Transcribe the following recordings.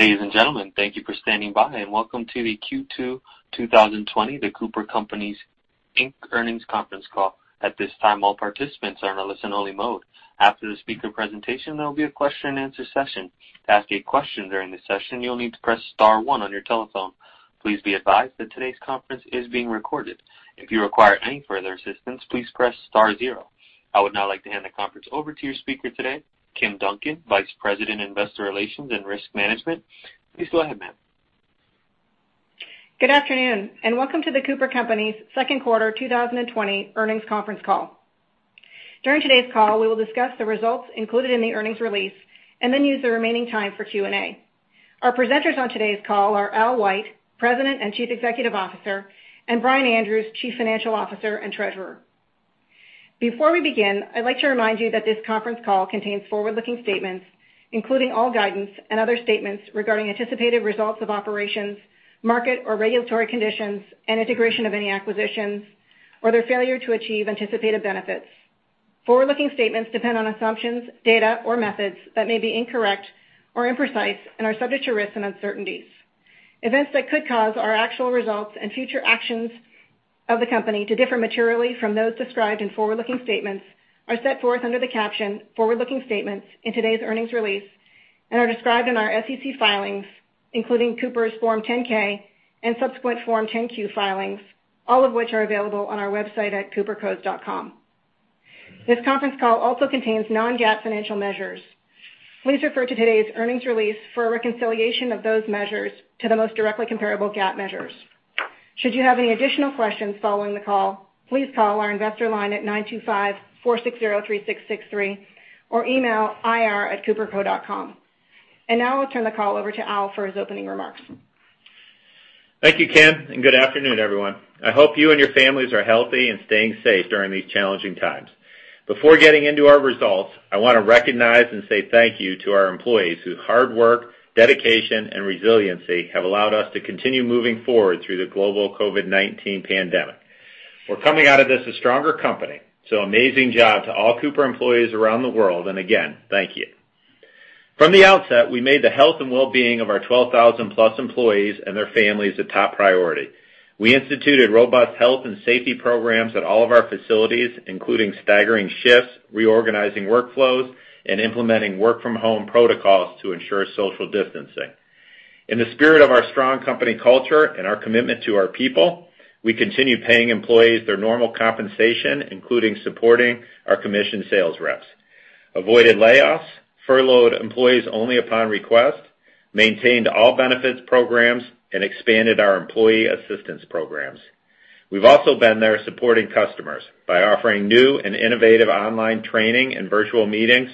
Ladies and gentlemen, thank you for standing by, and welcome to the Q2 2020, The Cooper Companies, Inc earnings conference call. At this time, all participants are in a listen only mode. After the speaker presentation, there will be a question and answer session. To ask a question during the session, you'll need to press star one on your telephone. Please be advised that today's conference is being recorded. If you require any further assistance, please press star zero. I would now like to hand the conference over to your speaker today, Kim Duncan, Vice President, Investor Relations and Risk Management. Please go ahead, ma'am. Good afternoon, and welcome to The Cooper Companies second quarter 2020 earnings conference call. During today's call, we will discuss the results included in the earnings release and then use the remaining time for Q&A. Our presenters on today's call are Al White, President and Chief Executive Officer, and Brian Andrews, Chief Financial Officer and Treasurer. Before we begin, I'd like to remind you that this conference call contains forward-looking statements, including all guidance and other statements regarding anticipated results of operations, market or regulatory conditions, and integration of any acquisitions, or their failure to achieve anticipated benefits. Forward-looking statements depend on assumptions, data or methods that may be incorrect or imprecise and are subject to risks and uncertainties. Events that could cause our actual results and future actions of the company to differ materially from those described in forward-looking statements are set forth under the caption forward-looking statements in today's earnings release and are described in our SEC filings, including Cooper's Form 10-K and subsequent Form 10-Q filings, all of which are available on our website at coopercos.com. This conference call also contains non-GAAP financial measures. Please refer to today's earnings release for a reconciliation of those measures to the most directly comparable GAAP measures. Should you have any additional questions following the call, please call our investor line at 925-460-3663, or email ir@coopercos.com. Now I'll turn the call over to Al for his opening remarks. Thank you, Kim. Good afternoon, everyone. I hope you and your families are healthy and staying safe during these challenging times. Before getting into our results, I want to recognize and say thank you to our employees whose hard work, dedication and resiliency have allowed us to continue moving forward through the global COVID-19 pandemic. We're coming out of this a stronger company, so amazing job to all Cooper employees around the world. Again, thank you. From the outset, we made the health and wellbeing of our 12,000+ employees and their families a top priority. We instituted robust health and safety programs at all of our facilities, including staggering shifts, reorganizing workflows, and implementing work from home protocols to ensure social distancing. In the spirit of our strong company culture and our commitment to our people, we continue paying employees their normal compensation, including supporting our commission sales reps, avoided layoffs, furloughed employees only upon request, maintained all benefits programs, and expanded our employee assistance programs. We've also been there supporting customers by offering new and innovative online training and virtual meetings,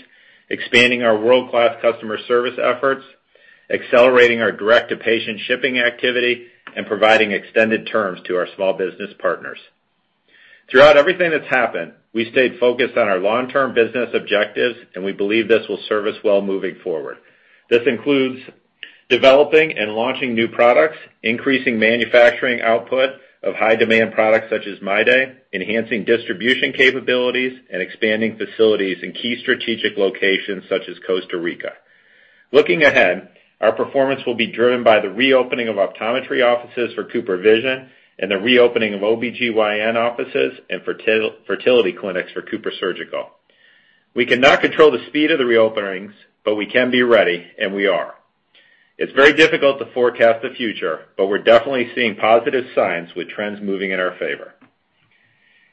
expanding our world-class customer service efforts, accelerating our direct-to-patient shipping activity, and providing extended terms to our small business partners. Throughout everything that's happened, we stayed focused on our long-term business objectives, and we believe this will serve us well moving forward. This includes developing and launching new products, increasing manufacturing output of high demand products such as MyDay, enhancing distribution capabilities, and expanding facilities in key strategic locations such as Costa Rica. Looking ahead, our performance will be driven by the reopening of optometry offices for CooperVision and the reopening of OBGYN offices and fertility clinics for CooperSurgical. We cannot control the speed of the reopenings, but we can be ready, and we are. It's very difficult to forecast the future, but we're definitely seeing positive signs with trends moving in our favor.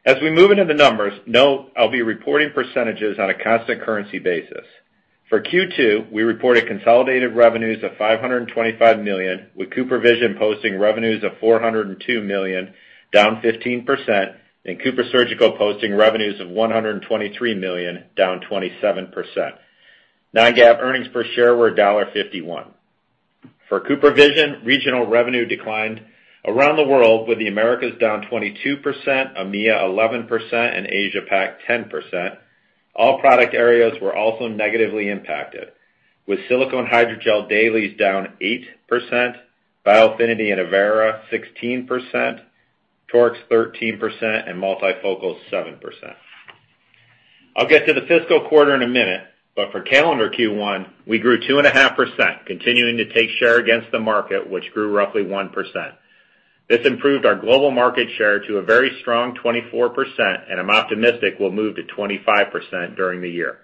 As we move into the numbers, note I'll be reporting percentages on a constant currency basis. For Q2, we reported consolidated revenues of $525 million, with CooperVision posting revenues of $402 million, down 15%, and CooperSurgical posting revenues of $123 million, down 27%. Non-GAAP earnings per share were $1.51. For CooperVision, regional revenue declined around the world with the Americas down 22%, EMEA 11%, and Asia-Pac 10%. All product areas were also negatively impacted, with silicone hydrogel dailies down 8%, Biofinity and Avaira 16%, torics 13%, and multifocals 7%. I'll get to the fiscal quarter in a minute, but for calendar Q1, we grew 2.5%, continuing to take share against the market, which grew roughly 1%. This improved our global market share to a very strong 24%, and I'm optimistic we'll move to 25% during the year.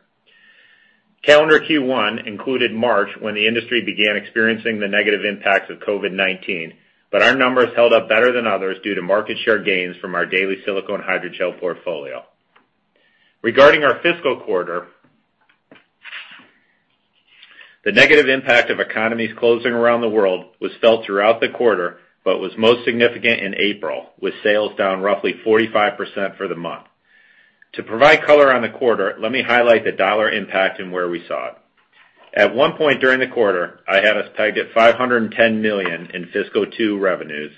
Calendar Q1 included March, when the industry began experiencing the negative impacts of COVID-19, but our numbers held up better than others due to market share gains from our daily silicone hydrogel portfolio. Regarding our fiscal quarter, the negative impact of economies closing around the world was felt throughout the quarter, but was most significant in April, with sales down roughly 45% for the month. To provide color on the quarter, let me highlight the dollar impact and where we saw it. At one point during the quarter, I had us pegged at $510 million in fiscal Q2 revenues,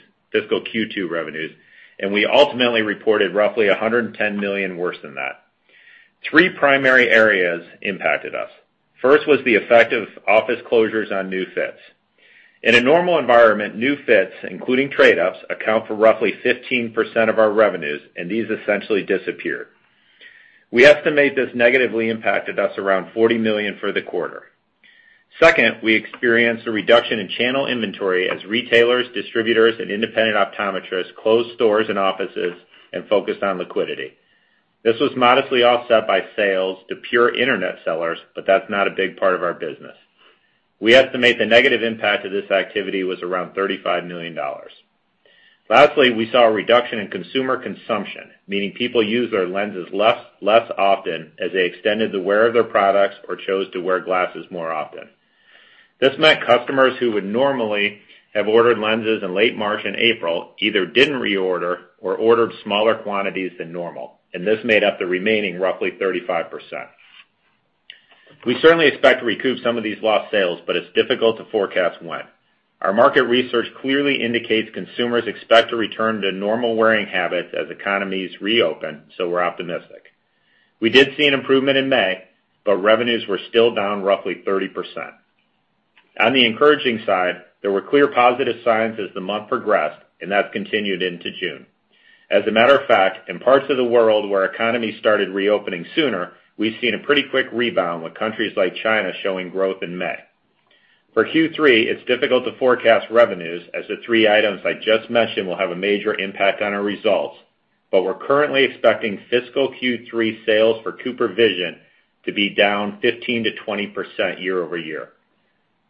and we ultimately reported roughly $110 million worse than that. Three primary areas impacted us. First was the effect of office closures on new fits. In a normal environment, new fits, including trade-ups, account for roughly 15% of our revenues, and these essentially disappeared. We estimate this negatively impacted us around $40 million for the quarter. Second, we experienced a reduction in channel inventory as retailers, distributors, and independent optometrists closed stores and offices and focused on liquidity. This was modestly offset by sales to pure Internet sellers, but that's not a big part of our business. We estimate the negative impact of this activity was around $35 million. Lastly, we saw a reduction in consumer consumption, meaning people used their lenses less often as they extended the wear of their products or chose to wear glasses more often. This meant customers who would normally have ordered lenses in late March and April either didn't reorder or ordered smaller quantities than normal, and this made up the remaining roughly 35%. We certainly expect to recoup some of these lost sales, but it's difficult to forecast when. Our market research clearly indicates consumers expect to return to normal wearing habits as economies reopen, so we're optimistic. We did see an improvement in May, but revenues were still down roughly 30%. On the encouraging side, there were clear positive signs as the month progressed, and that's continued into June. As a matter of fact, in parts of the world where economies started reopening sooner, we've seen a pretty quick rebound, with countries like China showing growth in May. Q3, it's difficult to forecast revenues, as the three items I just mentioned will have a major impact on our results, but we're currently expecting fiscal Q3 sales for CooperVision to be down 15%-20% year-over-year.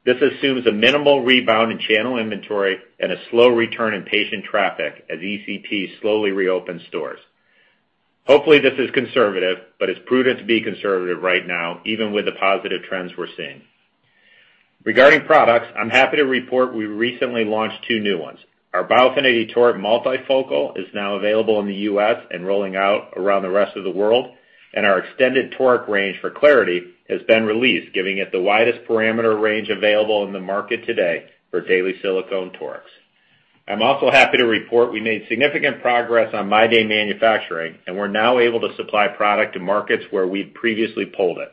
This assumes a minimal rebound in channel inventory and a slow return in patient traffic as ECP slowly reopens stores. This is conservative, but it's prudent to be conservative right now, even with the positive trends we're seeing. Regarding products, I'm happy to report we recently launched two new ones. Our Biofinity toric multifocal is now available in the U.S. and rolling out around the rest of the world, our extended toric range for clariti has been released, giving it the widest parameter range available in the market today for daily silicone torics. I'm also happy to report we made significant progress on MyDay manufacturing, we're now able to supply product to markets where we'd previously pulled it.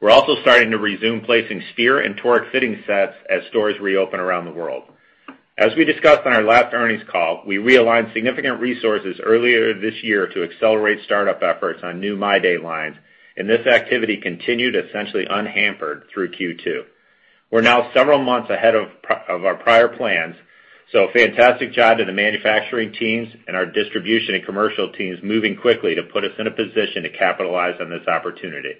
We're also starting to resume placing sphere and toric fitting sets as stores reopen around the world. As we discussed on our last earnings call, we realigned significant resources earlier this year to accelerate startup efforts on new MyDay lines, this activity continued essentially unhampered through Q2. We're now several months ahead of our prior plans, fantastic job to the manufacturing teams and our distribution and commercial teams moving quickly to put us in a position to capitalize on this opportunity.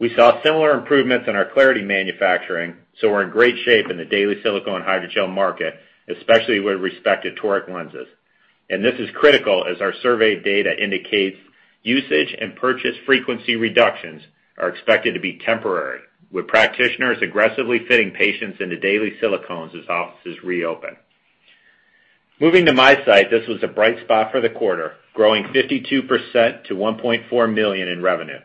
We saw similar improvements in our clariti manufacturing, we're in great shape in the daily silicone hydrogel market, especially with respect to toric lenses. This is critical, as our survey data indicates usage and purchase frequency reductions are expected to be temporary, with practitioners aggressively fitting patients into daily silicones as offices reopen. Moving to MiSight, this was a bright spot for the quarter, growing 52% to $1.4 million in revenue.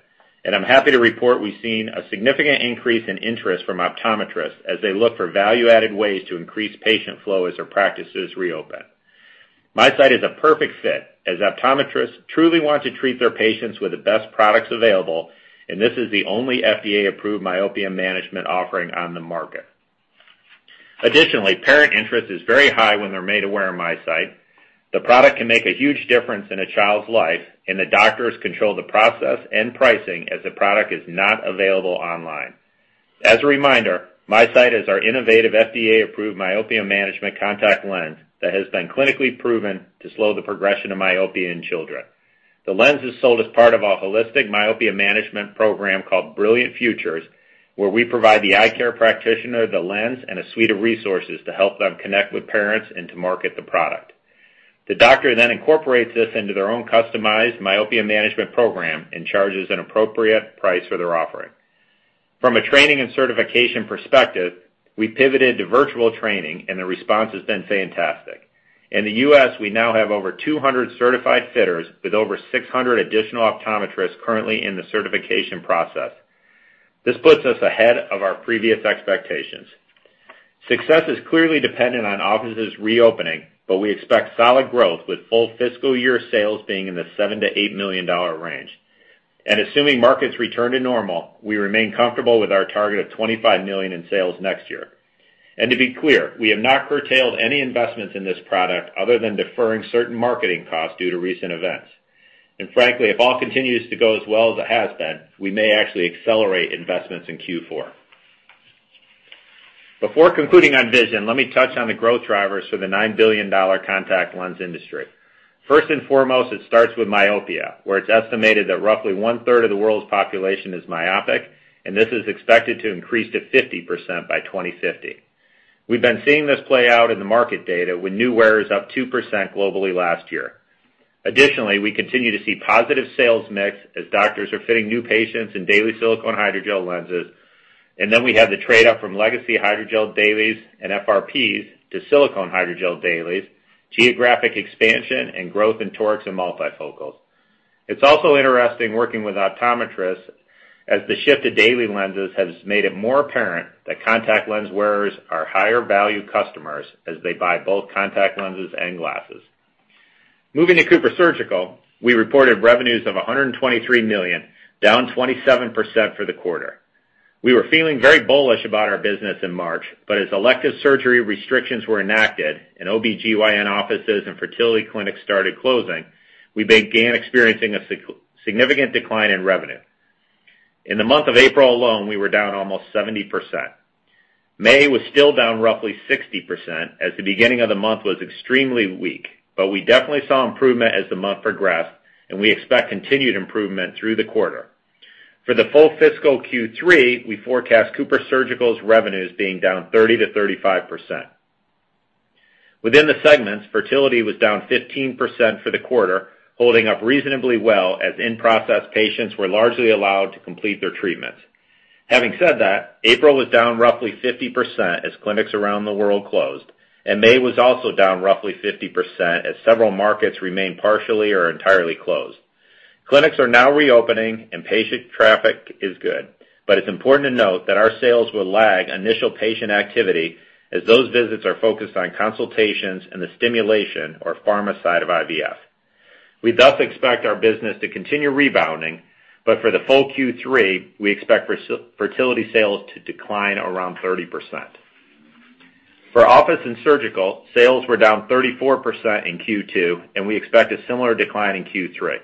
I'm happy to report we've seen a significant increase in interest from optometrists as they look for value-added ways to increase patient flow as their practices reopen. MiSight is a perfect fit, as optometrists truly want to treat their patients with the best products available, and this is the only FDA-approved myopia management offering on the market. Additionally, parent interest is very high when they're made aware of MiSight. The product can make a huge difference in a child's life, and the doctors control the process and pricing as the product is not available online. As a reminder, MiSight is our innovative FDA-approved myopia management contact lens that has been clinically proven to slow the progression of myopia in children. The lens is sold as part of our holistic myopia management program called Brilliant Futures, where we provide the eye care practitioner the lens and a suite of resources to help them connect with parents and to market the product. The doctor then incorporates this into their own customized myopia management program and charges an appropriate price for their offering. From a training and certification perspective, we pivoted to virtual training, the response has been fantastic. In the U.S., we now have over 200 certified fitters with over 600 additional optometrists currently in the certification process. This puts us ahead of our previous expectations. Success is clearly dependent on offices reopening, but we expect solid growth with full fiscal year sales being in the $7 million-$8 million range. Assuming markets return to normal, we remain comfortable with our target of $25 million in sales next year. To be clear, we have not curtailed any investments in this product other than deferring certain marketing costs due to recent events. Frankly, if all continues to go as well as it has been, we may actually accelerate investments in Q4. Before concluding on vision, let me touch on the growth drivers for the $9 billion contact lens industry. First and foremost, it starts with myopia, where it's estimated that roughly one-third of the world's population is myopic, and this is expected to increase to 50% by 2050. We've been seeing this play out in the market data, with new wearers up 2% globally last year. Additionally, we continue to see positive sales mix as doctors are fitting new patients in daily silicone hydrogel lenses, and then we have the trade-up from legacy hydrogel dailies and FRPs to silicone hydrogel dailies, geographic expansion, and growth in torics and multifocals. It's also interesting working with optometrists as the shift to daily lenses has made it more apparent that contact lens wearers are higher-value customers as they buy both contact lenses and glasses. Moving to CooperSurgical, we reported revenues of $123 million, down 27% for the quarter. We were feeling very bullish about our business in March, as elective surgery restrictions were enacted and OBGYN offices and fertility clinics started closing, we began experiencing a significant decline in revenue. In the month of April alone, we were down almost 70%. May was still down roughly 60%, as the beginning of the month was extremely weak. We definitely saw improvement as the month progressed, and we expect continued improvement through the quarter. For the full fiscal Q3, we forecast CooperSurgical's revenues being down 30%-35%. Within the segments, fertility was down 15% for the quarter, holding up reasonably well as in-process patients were largely allowed to complete their treatments. Having said that, April was down roughly 50% as clinics around the world closed, and May was also down roughly 50% as several markets remained partially or entirely closed. Clinics are now reopening and patient traffic is good. It's important to note that our sales will lag initial patient activity as those visits are focused on consultations and the stimulation or pharma side of IVF. We thus expect our business to continue rebounding, but for the full Q3, we expect fertility sales to decline around 30%. For office and surgical, sales were down 34% in Q2, and we expect a similar decline in Q3.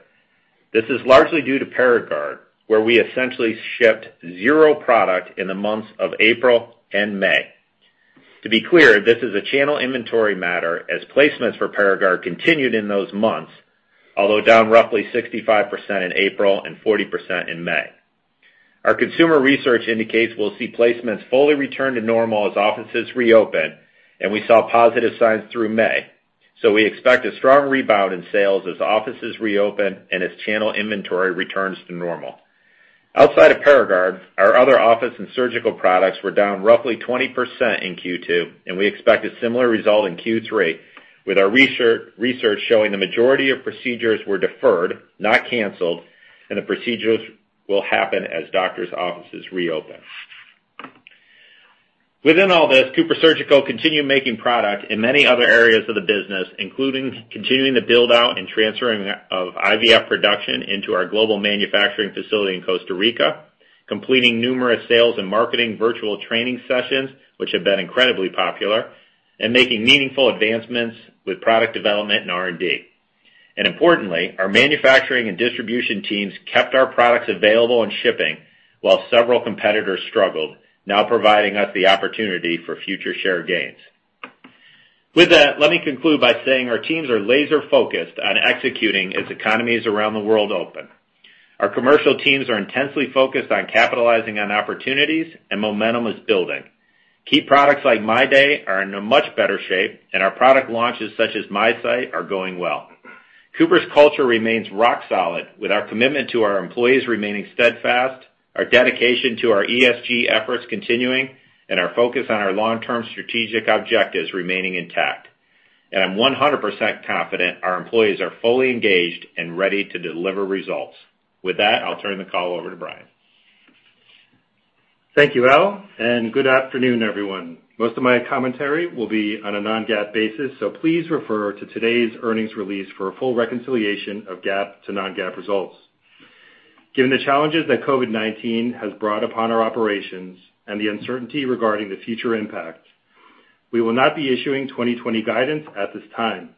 This is largely due to Paragard, where we essentially shipped zero product in the months of April and May. To be clear, this is a channel inventory matter as placements for Paragard continued in those months, although down roughly 65% in April and 40% in May. Our consumer research indicates we'll see placements fully return to normal as offices reopen, and we saw positive signs through May. We expect a strong rebound in sales as offices reopen and as channel inventory returns to normal. Outside of Paragard, our other office and surgical products were down roughly 20% in Q2, and we expect a similar result in Q3 with our research showing the majority of procedures were deferred, not canceled, and the procedures will happen as doctors' offices reopen. Within all this, CooperSurgical continued making product in many other areas of the business, including continuing the build-out and transferring of IVF production into our global manufacturing facility in Costa Rica, completing numerous sales and marketing virtual training sessions, which have been incredibly popular, and making meaningful advancements with product development and R&D. Importantly, our manufacturing and distribution teams kept our products available and shipping while several competitors struggled, now providing us the opportunity for future share gains. With that, let me conclude by saying our teams are laser-focused on executing as economies around the world open. Our commercial teams are intensely focused on capitalizing on opportunities, and momentum is building. Key products like MyDay are in a much better shape, and our product launches such as MiSight are going well. Cooper's culture remains rock solid, with our commitment to our employees remaining steadfast, our dedication to our ESG efforts continuing, and our focus on our long-term strategic objectives remaining intact. I'm 100% confident our employees are fully engaged and ready to deliver results. With that, I'll turn the call over to Brian. Thank you, Al. Good afternoon, everyone. Most of my commentary will be on a non-GAAP basis. Please refer to today's earnings release for a full reconciliation of GAAP to non-GAAP results. Given the challenges that COVID-19 has brought upon our operations and the uncertainty regarding the future impact, we will not be issuing 2020 guidance at this time.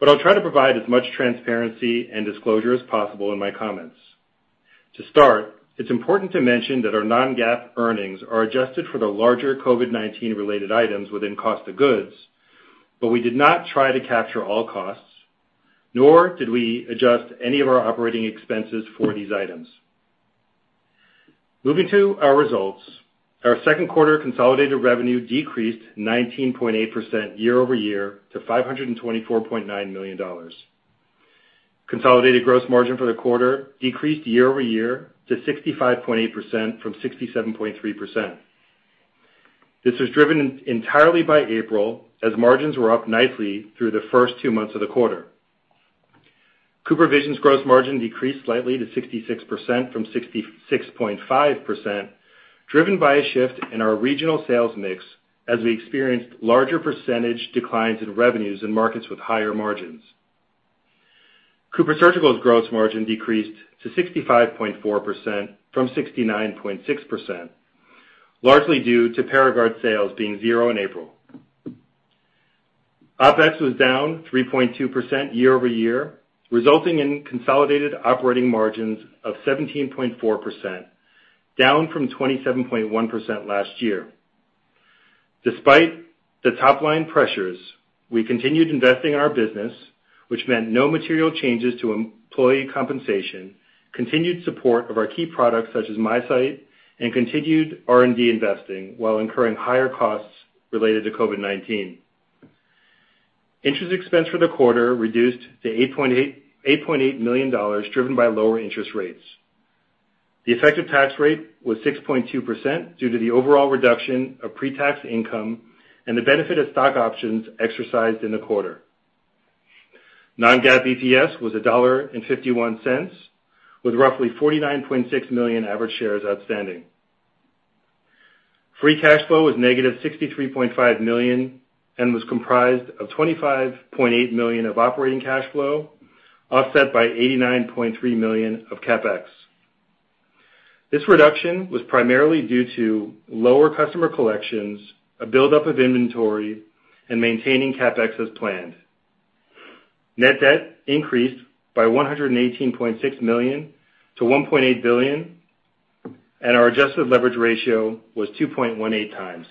I'll try to provide as much transparency and disclosure as possible in my comments. To start, it's important to mention that our non-GAAP earnings are adjusted for the larger COVID-19 related items within cost of goods. We did not try to capture all costs, nor did we adjust any of our operating expenses for these items. Moving to our results, our second quarter consolidated revenue decreased 19.8% year-over-year to $524.9 million. Consolidated gross margin for the quarter decreased year-over-year to 65.8% from 67.3%. This was driven entirely by April, as margins were up nicely through the first two months of the quarter. CooperVision's gross margin decreased slightly to 66% from 66.5%, driven by a shift in our regional sales mix as we experienced larger percentage declines in revenues in markets with higher margins. CooperSurgical's gross margin decreased to 65.4% from 69.6%, largely due to Paragard sales being zero in April. OpEx was down 3.2% year-over-year, resulting in consolidated operating margins of 17.4%, down from 27.1% last year. Despite the top-line pressures, we continued investing in our business, which meant no material changes to employee compensation, continued support of our key products such as MiSight, and continued R&D investing while incurring higher costs related to COVID-19. Interest expense for the quarter reduced to $8.8 million, driven by lower interest rates. The effective tax rate was 6.2% due to the overall reduction of pre-tax income and the benefit of stock options exercised in the quarter. Non-GAAP EPS was $1.51, with roughly 49.6 million average shares outstanding. Free cash flow is -$63.5 million and was comprised of $25.8 million of operating cash flow, offset by $89.3 million of CapEx. This reduction was primarily due to lower customer collections, a buildup of inventory, and maintaining CapEx as planned. Net debt increased by $118.6 million to $1.8 billion, and our adjusted leverage ratio was 2.18x.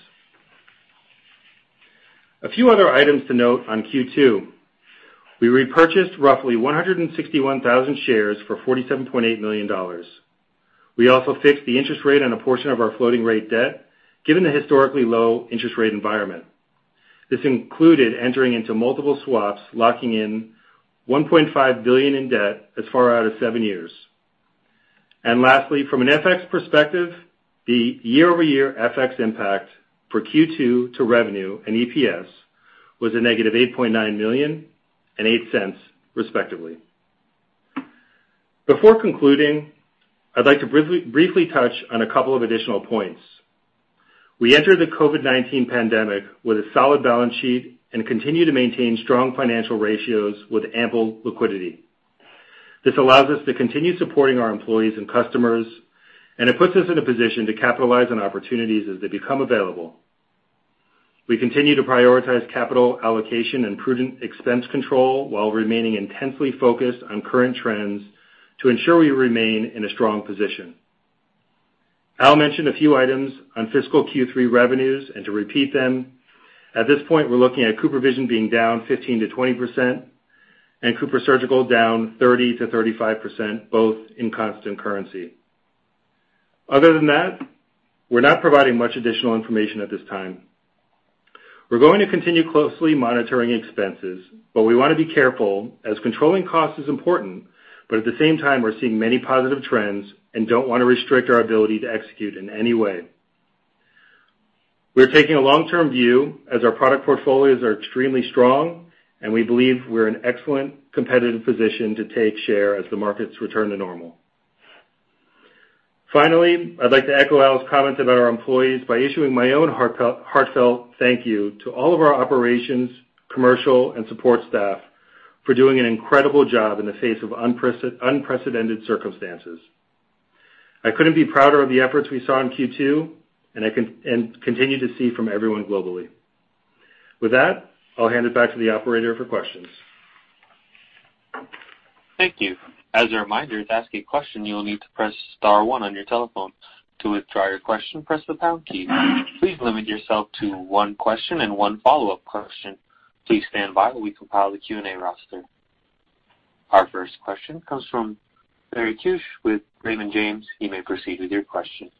A few other items to note on Q2. We repurchased roughly 161,000 shares for $47.8 million. We also fixed the interest rate on a portion of our floating rate debt, given the historically low interest rate environment. This included entering into multiple swaps, locking in $1.5 billion in debt as far out as seven years. Lastly, from an FX perspective, the year-over-year FX impact for Q2 to revenue and EPS was a negative $8.9 million and $0.08 respectively. Before concluding, I'd like to briefly touch on a couple of additional points. We entered the COVID-19 pandemic with a solid balance sheet and continue to maintain strong financial ratios with ample liquidity. This allows us to continue supporting our employees and customers, and it puts us in a position to capitalize on opportunities as they become available. We continue to prioritize capital allocation and prudent expense control while remaining intensely focused on current trends to ensure we remain in a strong position. Al mentioned a few items on fiscal Q3 revenues, and to repeat them, at this point, we're looking at CooperVision being down 15%-20% and CooperSurgical down 30%-35%, both in constant currency. Other than that, we're not providing much additional information at this time. We're going to continue closely monitoring expenses, but we want to be careful as controlling cost is important, but at the same time, we're seeing many positive trends and don't want to restrict our ability to execute in any way. We're taking a long-term view as our product portfolios are extremely strong, and we believe we're in excellent competitive position to take share as the markets return to normal. Finally, I'd like to echo Al's comments about our employees by issuing my own heartfelt thank you to all of our operations, commercial, and support staff for doing an incredible job in the face of unprecedented circumstances. I couldn't be prouder of the efforts we saw in Q2 and continue to see from everyone globally. With that, I'll hand it back to the operator for questions. Thank you. As a reminder, to ask a question, you will need to press star one on your telephone. To withdraw your question, press the pound key. Please limit yourself to one question and one follow-up question. Please stand by while we compile the Q&A roster. Our first question comes from Larry Keusch with Raymond James. You may proceed with your question.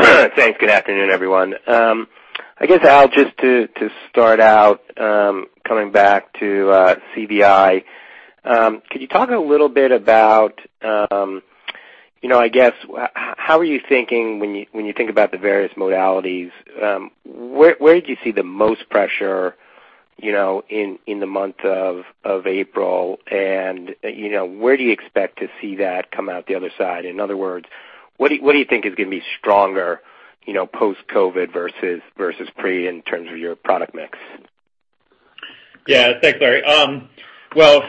Thanks. Good afternoon, everyone. I guess, Al, just to start out, coming back to CVI, could you talk a little bit about, I guess, how are you thinking when you think about the various modalities? Where did you see the most pressure in the month of April, and where do you expect to see that come out the other side? In other words, what do you think is going to be stronger, post-COVID versus pre in terms of your product mix? Yeah. Thanks, Larry. Well,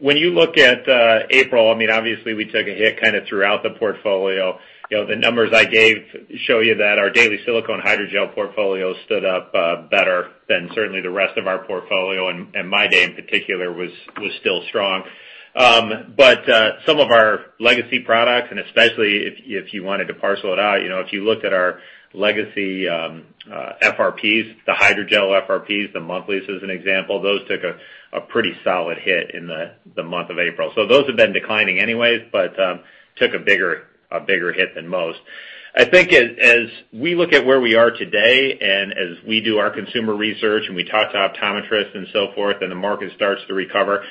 when you look at April, obviously we took a hit kind of throughout the portfolio. The numbers I gave show you that our daily silicone hydrogel portfolio stood up better than certainly the rest of our portfolio, and MyDay in particular was still strong. Some of our legacy products, and especially if you wanted to parcel it out, if you looked at our legacy FRPs, the hydrogel FRPs, the monthlies as an example, those took a pretty solid hit in the month of April. Those have been declining anyways, but took a bigger hit than most. I think as we look at where we are today and as we do our consumer research and we talk to optometrists and so forth, the market starts to recover,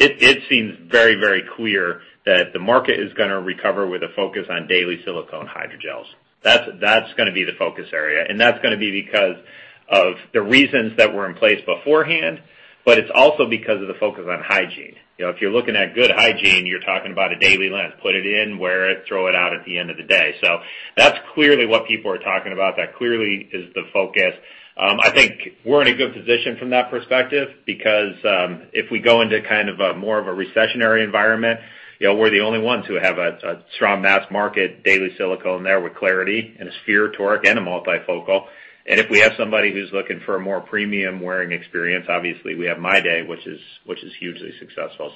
it seems very clear that the market is going to recover with a focus on daily silicone hydrogels. That's going to be the focus area, and that's going to be because of the reasons that were in place beforehand, but it's also because of the focus on hygiene. If you're looking at good hygiene, you're talking about a daily lens, put it in, wear it, throw it out at the end of the day. That's clearly what people are talking about. That clearly is the focus. I think we're in a good position from that perspective because if we go into kind of a more of a recessionary environment, we're the only ones who have a strong mass market daily silicone there with clariti and a sphere toric and a multifocal. If we have somebody who's looking for a more premium wearing experience, obviously we have MyDay, which is hugely successful.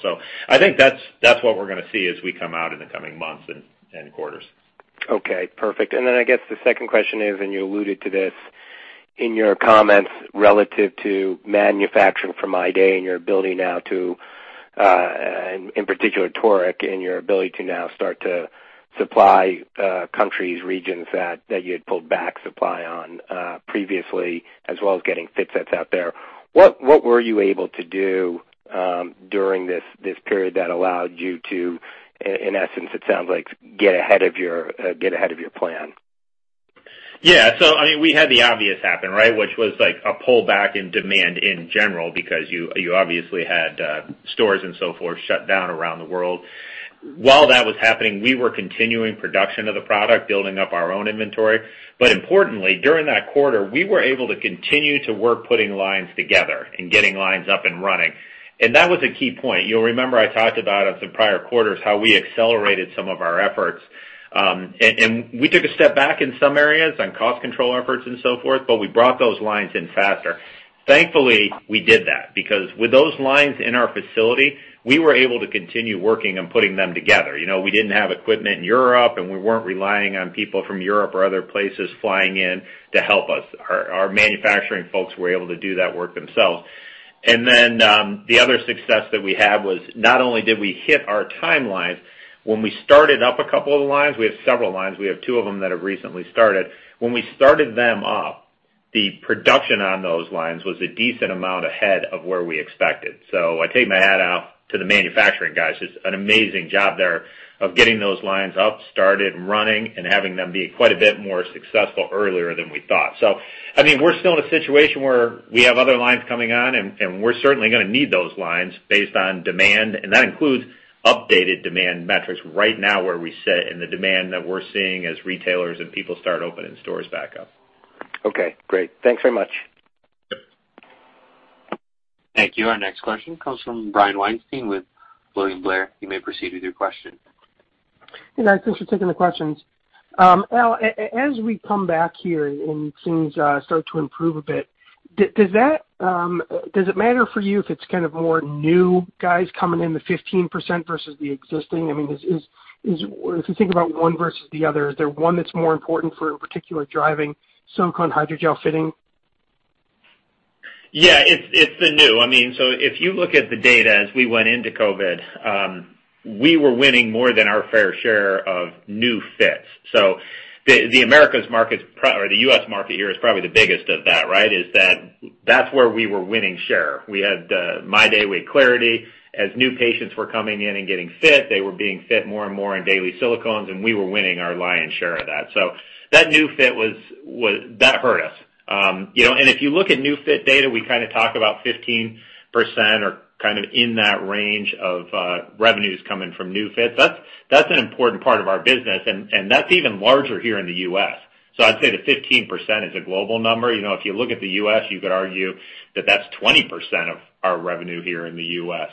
I think that's what we're going to see as we come out in the coming months and quarters. Okay, perfect. I guess the second question is, and you alluded to this in your comments relative to manufacturing for MyDay and your ability now to, in particular, toric and your ability to now start to supply countries, regions that you had pulled back supply on previously, as well as getting fit sets out there. What were you able to do during this period that allowed you to, in essence, it sounds like get ahead of your plan? Yeah. We had the obvious happen, right? Which was like a pullback in demand in general because you obviously had stores and so forth shut down around the world. While that was happening, we were continuing production of the product, building up our own inventory. Importantly, during that quarter, we were able to continue to work putting lines together and getting lines up and running. That was a key point. You'll remember I talked about in some prior quarters how we accelerated some of our efforts. We took a step back in some areas on cost control efforts and so forth, but we brought those lines in faster. Thankfully, we did that, because with those lines in our facility, we were able to continue working on putting them together. We didn't have equipment in Europe, and we weren't relying on people from Europe or other places flying in to help us. Our manufacturing folks were able to do that work themselves. The other success that we had was not only did we hit our timelines, when we started up a couple of the lines, we have several lines, we have two of them that have recently started. When we started them up, the production on those lines was a decent amount ahead of where we expected. I take my hat off to the manufacturing guys. Just an amazing job there of getting those lines up, started and running, and having them be quite a bit more successful earlier than we thought. We're still in a situation where we have other lines coming on, and we're certainly going to need those lines based on demand, and that includes updated demand metrics right now where we sit and the demand that we're seeing as retailers and people start opening stores back up. Okay, great. Thanks very much. Thank you. Our next question comes from Brian Weinstein with William Blair. You may proceed with your question. Hey, guys. Thanks for taking the questions. Al, as we come back here and things start to improve a bit, does it matter for you if it's kind of more new fits coming in, the 15% versus the existing? If you think about one versus the other, is there one that's more important for particular driving silicone hydrogel fitting? Yeah. It's the new. If you look at the data as we went into COVID, we were winning more than our fair share of new fits. The U.S. market here is probably the biggest of that, right? That's where we were winning share. We had MyDay with clariti. As new patients were coming in and getting fit, they were being fit more and more in daily silicones, and we were winning our lion's share of that. That new fit, that hurt us. If you look at new fit data, we kind of talk about 15% or kind of in that range of revenues coming from new fits. That's an important part of our business, and that's even larger here in the U.S. I'd say the 15% is a global number. If you look at the U.S., you could argue that that's 20% of our revenue here in the U.S.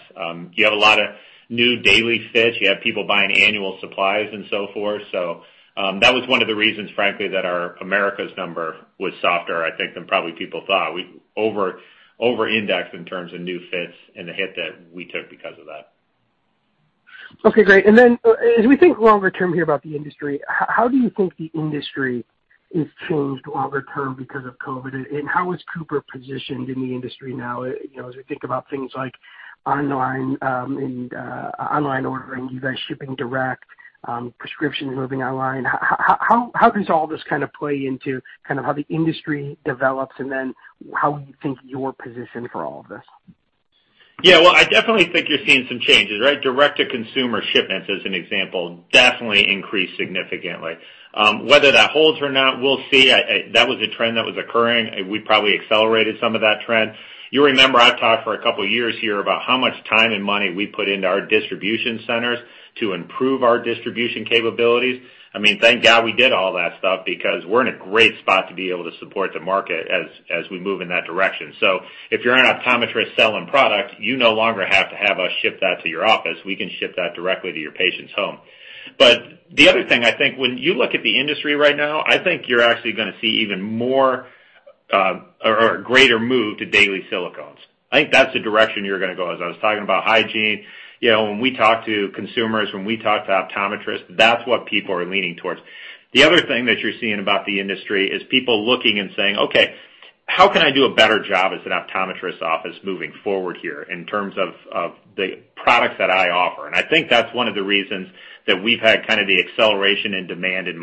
You have a lot of new daily fits. You have people buying annual supplies and so forth. That was one of the reasons, frankly, that our Americas number was softer, I think, than probably people thought. We over-indexed in terms of new fits and the hit that we took because of that. Okay, great. As we think longer term here about the industry, how do you think the industry is changed longer term because of COVID? How is Cooper positioned in the industry now as we think about things like online ordering, you guys shipping direct, prescriptions moving online? How does all this kind of play into how the industry develops, and then how you think you're positioned for all of this? Yeah. Well, I definitely think you're seeing some changes, right? Direct-to-consumer shipments, as an example, definitely increased significantly. Whether that holds or not, we'll see. That was a trend that was occurring. We probably accelerated some of that trend. You'll remember I've talked for a couple of years here about how much time and money we put into our distribution centers to improve our distribution capabilities. Thank God we did all that stuff because we're in a great spot to be able to support the market as we move in that direction. If you're an optometrist selling product, you no longer have to have us ship that to your office. We can ship that directly to your patient's home. The other thing, I think when you look at the industry right now, I think you're actually going to see even more or a greater move to daily silicones. I think that's the direction you're going to go. As I was talking about hygiene, when we talk to consumers, when we talk to optometrists, that's what people are leaning towards. The other thing that you're seeing about the industry is people looking and saying, "Okay, how can I do a better job as an optometrist office moving forward here in terms of the products that I offer?" I think that's one of the reasons that we've had kind of the acceleration in demand in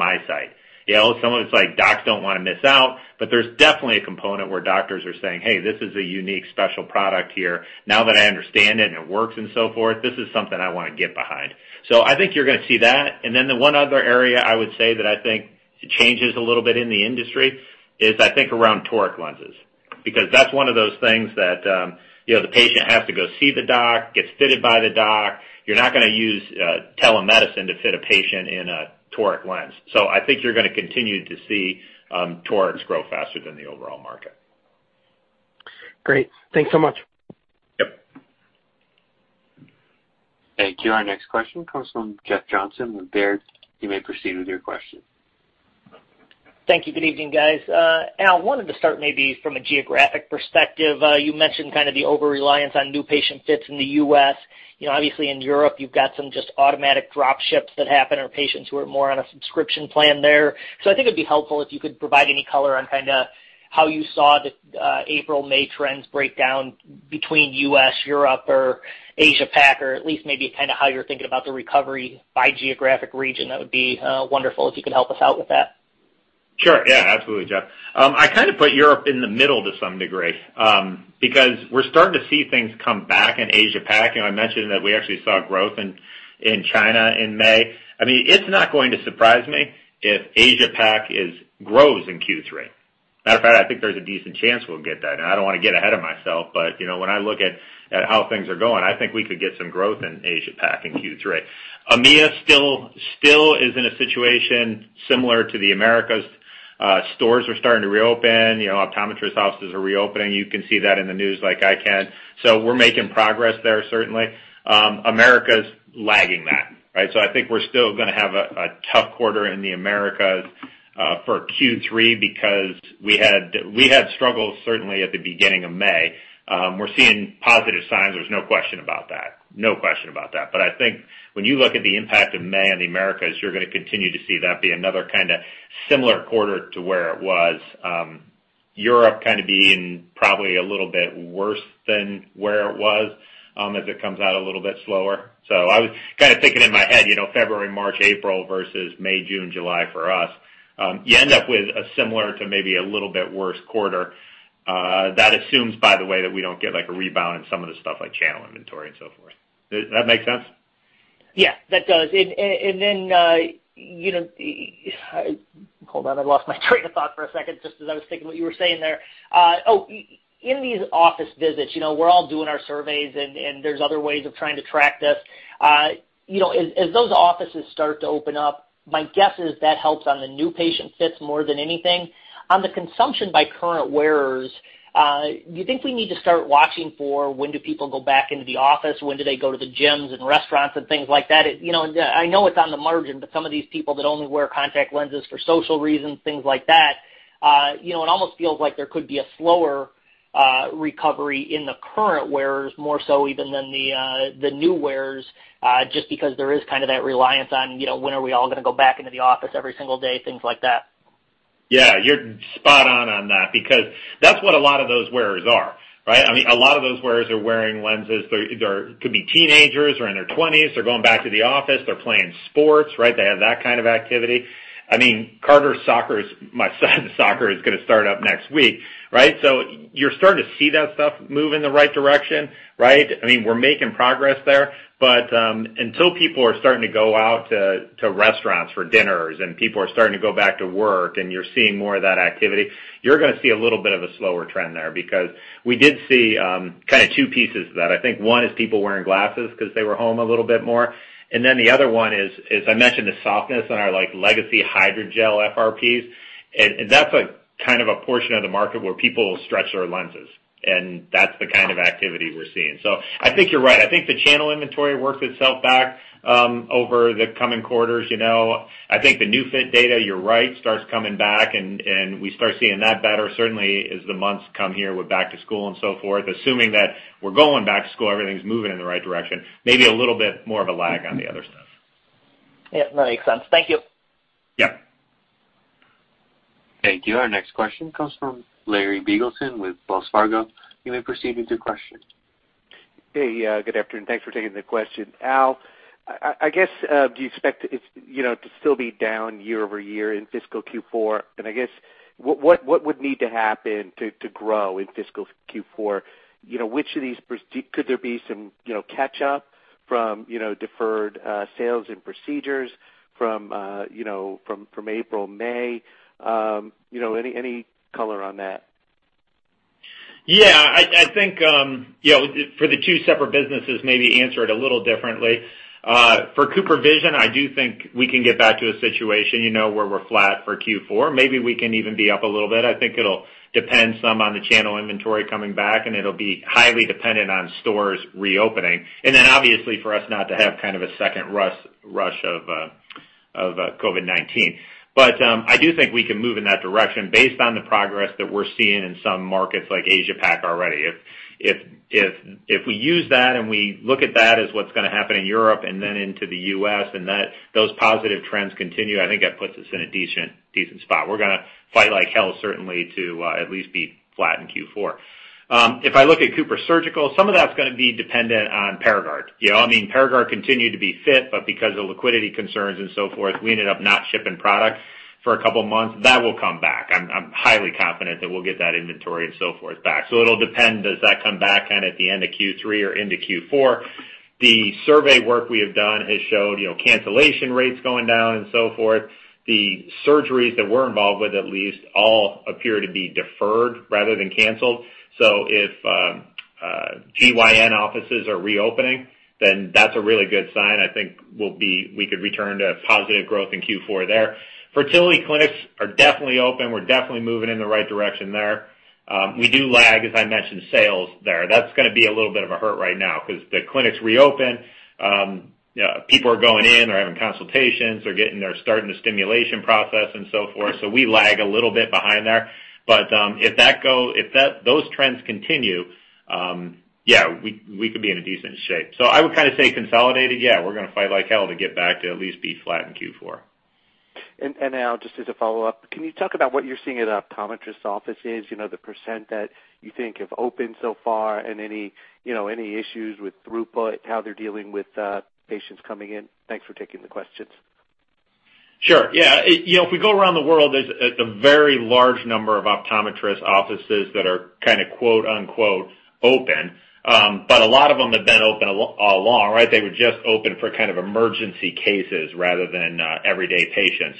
MiSight. Some of it's like docs don't want to miss out, but there's definitely a component where doctors are saying, "Hey, this is a unique, special product here. Now that I understand it and it works and so forth, this is something I want to get behind." I think you're going to see that. The one other area I would say that I think changes a little bit in the industry is I think around toric lenses. That's one of those things that the patient has to go see the doc, gets fitted by the doc. You're not going to use telemedicine to fit a patient in a toric lens. I think you're going to continue to see torics grow faster than the overall market. Great. Thanks so much. Yep. Thank you. Our next question comes from Jeff Johnson with Baird. You may proceed with your question. Thank you. Good evening, guys. Al, wanted to start maybe from a geographic perspective. You mentioned kind of the over-reliance on new patient fits in the U.S. Obviously in Europe, you've got some just automatic drop ships that happen or patients who are more on a subscription plan there. I think it'd be helpful if you could provide any color on kind of how you saw the April, May trends break down between U.S., Europe or Asia-Pac, or at least maybe kind of how you're thinking about the recovery by geographic region. That would be wonderful if you could help us out with that. Sure. Yeah, absolutely, Jeff. I kind of put Europe in the middle to some degree, because we're starting to see things come back in Asia-Pac. I mentioned that we actually saw growth in China in May. It's not going to surprise me if Asia-Pac grows in Q3. Matter of fact, I think there's a decent chance we'll get that. Now, I don't want to get ahead of myself, but when I look at how things are going, I think we could get some growth in Asia-Pac in Q3. EMEA still is in a situation similar to the Americas. Stores are starting to reopen, optometrist houses are reopening. You can see that in the news like I can. We're making progress there certainly. Americas lagging that, right? I think we're still going to have a tough quarter in the Americas for Q3 because we had struggles certainly at the beginning of May. We're seeing positive signs, there's no question about that. I think when you look at the impact of May on the Americas, you're going to continue to see that be another kind of similar quarter to where it was. Europe kind of being probably a little bit worse than where it was, as it comes out a little bit slower. I was kind of thinking in my head, February, March, April versus May, June, July for us. You end up with a similar to maybe a little bit worse quarter. That assumes, by the way, that we don't get a rebound in some of the stuff like channel inventory and so forth. Does that make sense? Yeah, that does. Hold on, I lost my train of thought for a second just as I was thinking what you were saying there. Oh, in these office visits, we're all doing our surveys, and there's other ways of trying to track this. As those offices start to open up, my guess is that helps on the new patient fits more than anything. On the consumption by current wearers, do you think we need to start watching for when do people go back into the office? When do they go to the gyms and restaurants and things like that? I know it's on the margin, some of these people that only wear contact lenses for social reasons, things like that, it almost feels like there could be a slower recovery in the current wearers, more so even than the new wearers, just because there is kind of that reliance on when are we all going to go back into the office every single day, things like that. Yeah, you're spot on on that, because that's what a lot of those wearers are, right? I mean, a lot of those wearers are wearing lenses. They could be teenagers. They're in their 20s. They're going back to the office. They're playing sports, right? They have that kind of activity. I mean, Carter's soccer, my son's soccer is going to start up next week, right? You're starting to see that stuff move in the right direction, right? I mean, we're making progress there. Until people are starting to go out to restaurants for dinners and people are starting to go back to work and you're seeing more of that activity, you're going to see a little bit of a slower trend there, because we did see kind of two pieces to that. I think one is people wearing glasses because they were home a little bit more. The other one is, as I mentioned, the softness on our legacy hydrogel FRPs. That's a kind of a portion of the market where people stretch their lenses, and that's the kind of activity we're seeing. I think you're right. I think the channel inventory works itself back over the coming quarters. I think the New Fit data, you're right, starts coming back, and we start seeing that better certainly as the months come here with back to school and so forth, assuming that we're going back to school, everything's moving in the right direction. Maybe a little bit more of a lag on the other stuff. Yeah, that makes sense. Thank you. Yeah. Thank you. Our next question comes from Larry Biegelsen with Wells Fargo. You may proceed with your question. Hey, good afternoon. Thanks for taking the question. Al, I guess, do you expect to still be down year-over-year in fiscal Q4? I guess what would need to happen to grow in fiscal Q4? Could there be some catch up from deferred sales and procedures from April, May? Any color on that? Yeah. I think, for the two separate businesses, maybe answer it a little differently. For CooperVision, I do think we can get back to a situation where we're flat for Q4. Maybe we can even be up a little bit. I think it'll depend some on the channel inventory coming back, and it'll be highly dependent on stores reopening. Obviously for us not to have kind of a second rush of COVID-19. I do think we can move in that direction based on the progress that we're seeing in some markets like Asia-Pac already. If we use that and we look at that as what's going to happen in Europe and then into the U.S., and those positive trends continue, I think that puts us in a decent spot. We're going to fight like hell, certainly, to at least be flat in Q4. If I look at CooperSurgical, some of that's going to be dependent on Paragard. I mean, Paragard continued to be fit, because of liquidity concerns and so forth, we ended up not shipping product for a couple of months. That will come back. I'm highly confident that we'll get that inventory and so forth back. It'll depend, does that come back kind of at the end of Q3 or into Q4? The survey work we have done has showed cancellation rates going down and so forth. The surgeries that we're involved with, at least, all appear to be deferred rather than canceled. If GYN offices are reopening, then that's a really good sign. I think we could return to positive growth in Q4 there. Fertility clinics are definitely open. We're definitely moving in the right direction there. We do lag, as I mentioned, sales there. That's going to be a little bit of a hurt right now because the clinics reopen. People are going in or having consultations or starting the stimulation process and so forth. We lag a little bit behind there. If those trends continue, yeah, we could be in a decent shape. I would kind of say consolidated, yeah, we're going to fight like hell to get back to at least be flat in Q4. Al, just as a follow-up, can you talk about what you're seeing at optometrist offices? The % that you think have opened so far and any issues with throughput, how they're dealing with patients coming in? Thanks for taking the questions. Sure. Yeah. If we go around the world, there's a very large number of optometrist offices that are kind of, quote-unquote, "open," but a lot of them have been open all along, right? They were just open for kind of emergency cases rather than everyday patients.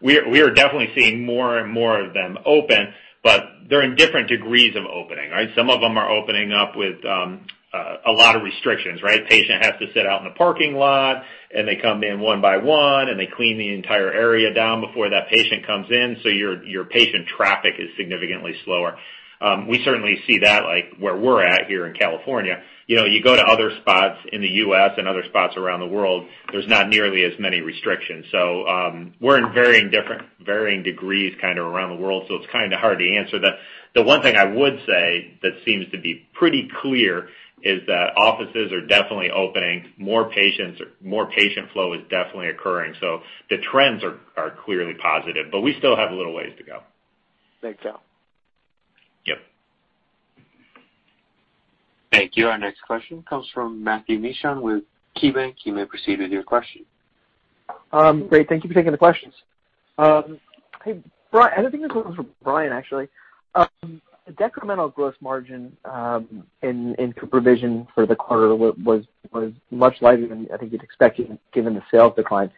We are definitely seeing more and more of them open, but they're in different degrees of opening, right? Some of them are opening up with a lot of restrictions, right? Patient has to sit out in the parking lot, and they come in one by one, and they clean the entire area down before that patient comes in, so your patient traffic is significantly slower. We certainly see that, like where we're at here in California. You go to other spots in the U.S. and other spots around the world, there's not nearly as many restrictions. We're in varying degrees kind of around the world, so it's kind of hard to answer that. The one thing I would say that seems to be pretty clear is that offices are definitely opening. More patient flow is definitely occurring. The trends are clearly positive, but we still have a little way to go. Thanks, Al. Yep. Thank you. Our next question comes from Matthew Mishan with KeyBanc. You may proceed with your question. Great. Thank you for taking the questions. Hey, Brian, I think this one was for Brian, actually. Decremental gross margin in CooperVision for the quarter was much lighter than I think you'd expected, given the sales decline.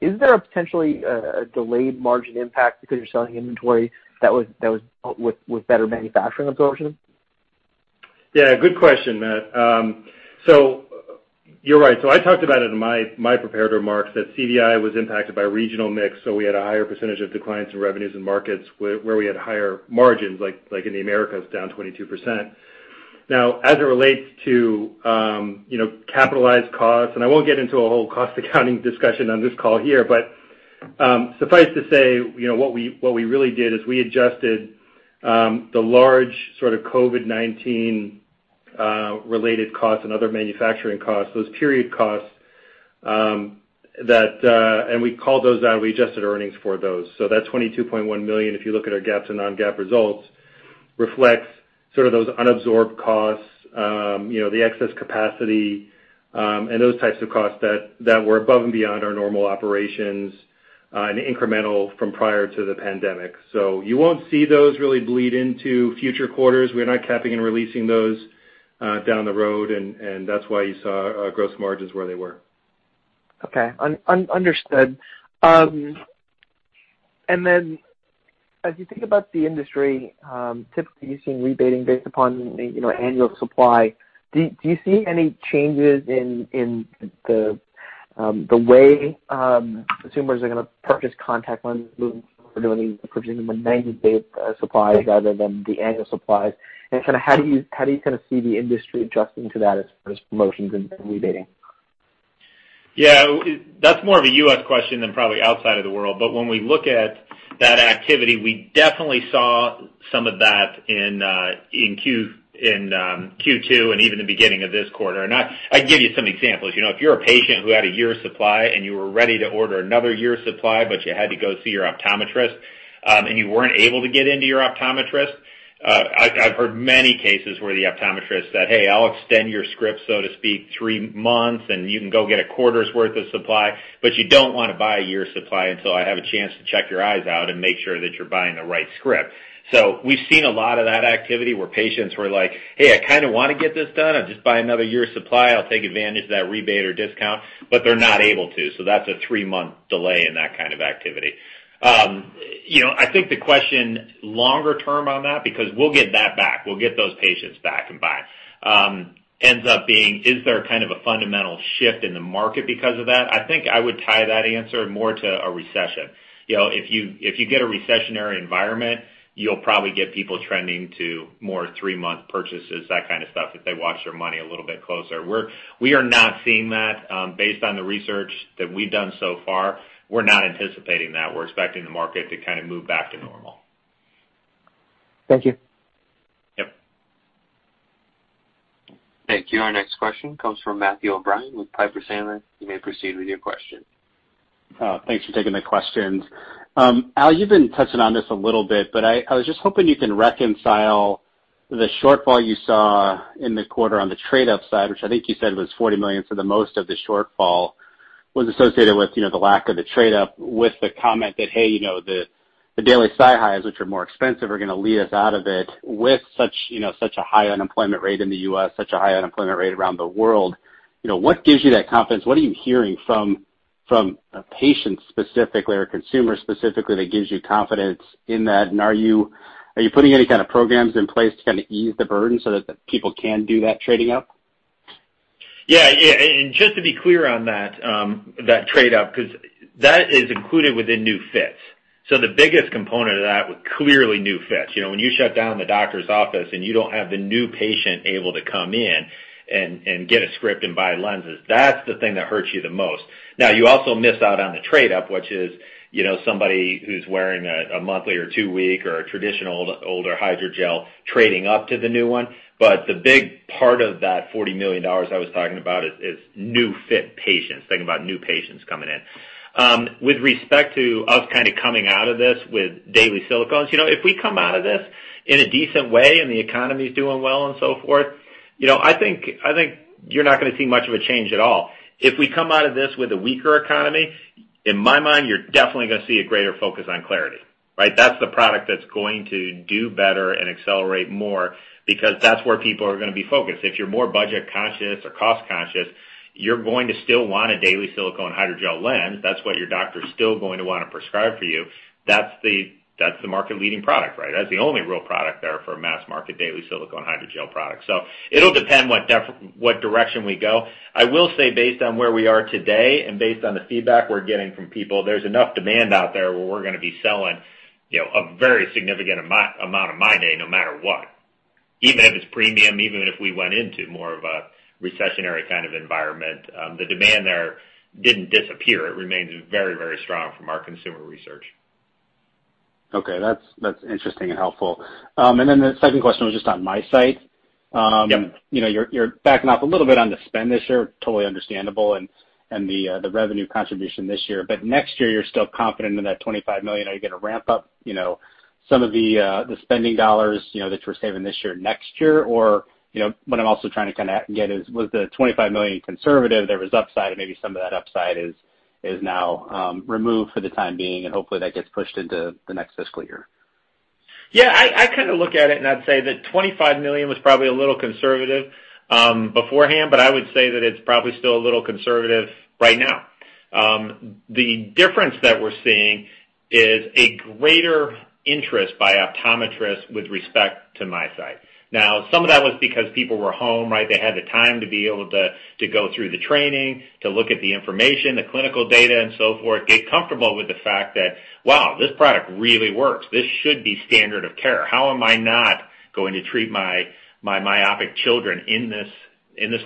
Is there potentially a delayed margin impact because you're selling inventory that was built with better manufacturing absorption? Yeah, good question, Matt. You're right. I talked about it in my prepared remarks that CVI was impacted by regional mix, so we had a higher percentage of declines in revenues and markets where we had higher margins, like in the Americas, down 22%. Now, as it relates to capitalized costs, and I won't get into a whole cost accounting discussion on this call here, but suffice to say, what we really did is we adjusted the large sort of COVID-19 related costs and other manufacturing costs, those period costs, and we called those out, and we adjusted earnings for those. That $22.1 million, if you look at our GAAP to non-GAAP results, reflects sort of those unabsorbed costs, the excess capacity, and those types of costs that were above and beyond our normal operations, and incremental from prior to the pandemic. You won't see those really bleed into future quarters. We're not capping and releasing those down the road, and that's why you saw our gross margins where they were. Okay. Understood. As you think about the industry, typically you've seen rebating based upon annual supply. Do you see any changes in the way consumers are going to purchase contact lenses if we're doing the purchasing the 90-day supplies rather than the annual supplies? How do you kind of see the industry adjusting to that as far as promotions and rebating? Yeah, that's more of a U.S. question than probably outside of the world. When we look at that activity, we definitely saw some of that in Q2, and even the beginning of this quarter. I can give you some examples. If you're a patient who had a year of supply and you were ready to order another year of supply, but you had to go see your optometrist, and you weren't able to get into your optometrist, I've heard many cases where the optometrist said, "Hey, I'll extend your script, so to speak, three months, and you can go get a quarter's worth of supply. You don't want to buy a year's supply until I have a chance to check your eyes out and make sure that you're buying the right script. We've seen a lot of that activity where patients were like, "Hey, I kind of want to get this done. I'll just buy another year of supply. I'll take advantage of that rebate or discount." They're not able to, so that's a three-month delay in that kind of activity. I think the question longer term on that, because we'll get that back, we'll get those patients back and buying, ends up being, is there kind of a fundamental shift in the market because of that? I think I would tie that answer more to a recession. If you get a recessionary environment, you'll probably get people trending to more three-month purchases, that kind of stuff, if they watch their money a little bit closer. We are not seeing that. Based on the research that we've done so far, we're not anticipating that. We're expecting the market to kind of move back to normal. Thank you. Yep. Thank you. Our next question comes from Matthew O'Brien with Piper Sandler. You may proceed with your question. Thanks for taking the questions. Al, you've been touching on this a little bit, but I was just hoping you can reconcile the shortfall you saw in the quarter on the trade-up side, which I think you said was $40 million for the most of the shortfall was associated with the lack of the trade-up with the comment that, hey, the daily SiHys, which are more expensive, are going to lead us out of it with such a high unemployment rate in the U.S., such a high unemployment rate around the world. What gives you that confidence? What are you hearing from patients specifically, or consumers specifically, that gives you confidence in that? Are you putting any kind of programs in place to kind of ease the burden so that the people can do that trading up? Yeah. Just to be clear on that trade-up, because that is included within new fits. The biggest component of that was clearly new fits. When you shut down the doctor's office and you don't have the new patient able to come in and get a script and buy lenses, that's the thing that hurts you the most. You also miss out on the trade-up, which is somebody who's wearing a monthly or two-week or a traditional older hydrogel trading up to the new one. The big part of that $40 million I was talking about is new fit patients, thinking about new patients coming in. With respect to us kind of coming out of this with daily silicones, if we come out of this in a decent way and the economy's doing well and so forth, I think you're not going to see much of a change at all. If we come out of this with a weaker economy, in my mind, you're definitely going to see a greater focus on clariti, right? That's the product that's going to do better and accelerate more because that's where people are going to be focused. If you're more budget conscious or cost conscious, you're going to still want a daily silicone hydrogel lens. That's what your doctor's still going to want to prescribe for you. That's the market leading product, right? That's the only real product there for mass market daily silicone hydrogel products. It'll depend what direction we go. I will say based on where we are today and based on the feedback we're getting from people, there's enough demand out there where we're going to be selling a very significant amount of MyDay no matter what. Even if it's premium, even if we went into more of a recessionary kind of environment, the demand there didn't disappear. It remains very strong from our consumer research. Okay. That's interesting and helpful. The second question was just on MiSight. Yep. You're backing off a little bit on the spend this year, totally understandable, and the revenue contribution this year. Next year, you're still confident in that $25 million. Are you going to ramp up some of the spending dollars that you were saving this year, next year? What I'm also trying to kind of get is, was the $25 million conservative? There was upside, and maybe some of that upside is now removed for the time being, and hopefully that gets pushed into the next fiscal year. Yeah. I kind of look at it and I'd say the $25 million was probably a little conservative beforehand. I would say that it's probably still a little conservative right now. The difference that we're seeing is a greater interest by optometrists with respect to MiSight. Some of that was because people were home, right? They had the time to be able to go through the training, to look at the information, the clinical data and so forth, get comfortable with the fact that, wow, this product really works. This should be standard of care. How am I not going to treat my myopic children in this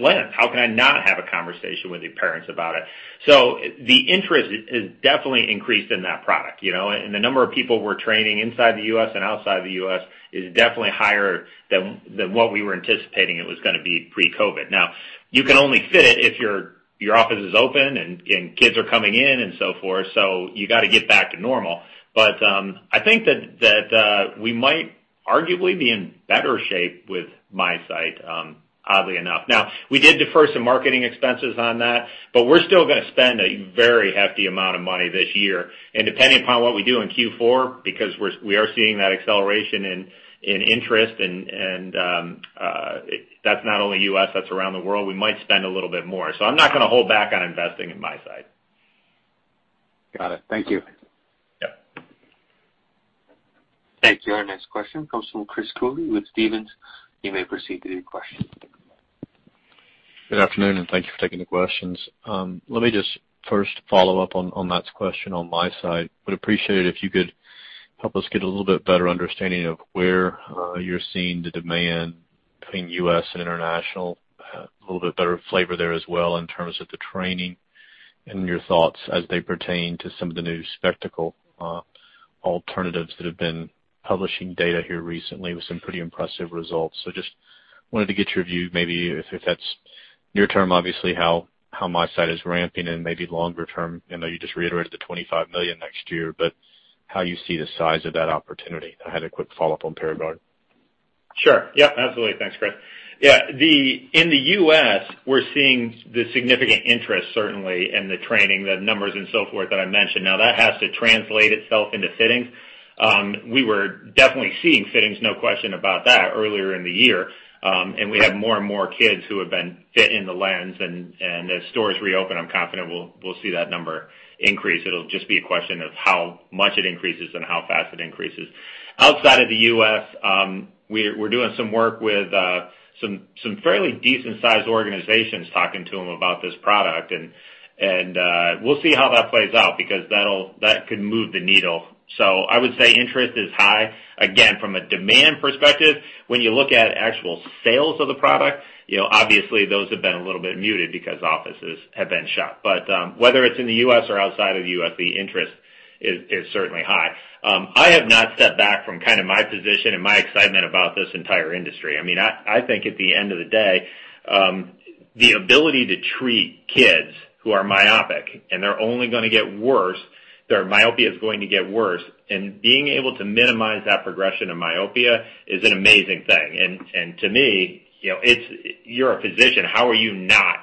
lens? How can I not have a conversation with the parents about it? The interest has definitely increased in that product, and the number of people we're training inside the U.S. and outside the U.S. is definitely higher than what we were anticipating it was going to be pre-COVID-19. You can only fit it if your office is open and kids are coming in and so forth. You got to get back to normal. I think that we might arguably be in better shape with MiSight, oddly enough. We did defer some marketing expenses on that, but we're still going to spend a very hefty amount of money this year. Depending upon what we do in Q4, because we are seeing that acceleration in interest and that's not only U.S., that's around the world, we might spend a little bit more. I'm not going to hold back on investing in MiSight. Got it. Thank you. Yep. Thank you. Our next question comes from Chris Cooley with Stephens. You may proceed with your question. Good afternoon. Thank you for taking the questions. Let me just first follow up on Matt's question on MiSight, would appreciate it if you could help us get a little bit better understanding of where you're seeing the demand between U.S. and international. A little bit better flavor there as well in terms of the training and your thoughts as they pertain to some of the new spectacle alternatives that have been publishing data here recently with some pretty impressive results. Just wanted to get your view maybe if that's near term, obviously, how MiSight is ramping and maybe longer term. I know you just reiterated the $25 million next year, but how you see the size of that opportunity. I had a quick follow-up on Paragard. Sure. Yeah, absolutely. Thanks, Chris. In the U.S., we're seeing the significant interest, certainly in the training, the numbers and so forth that I mentioned. That has to translate itself into fittings. We were definitely seeing fittings, no question about that, earlier in the year. We have more and more kids who have been fit in the lens, and as stores reopen, I'm confident we'll see that number increase. It'll just be a question of how much it increases and how fast it increases. Outside of the U.S., we're doing some work with some fairly decent-sized organizations, talking to them about this product, and we'll see how that plays out because that could move the needle. I would say interest is high. From a demand perspective, when you look at actual sales of the product, obviously those have been a little bit muted because offices have been shut. Whether it's in the U.S. or outside of U.S., the interest is certainly high. I have not stepped back from kind of my position and my excitement about this entire industry. I think at the end of the day, the ability to treat kids who are myopic and they're only going to get worse, their myopia is going to get worse, and being able to minimize that progression of myopia is an amazing thing. To me, you're a physician, how are you not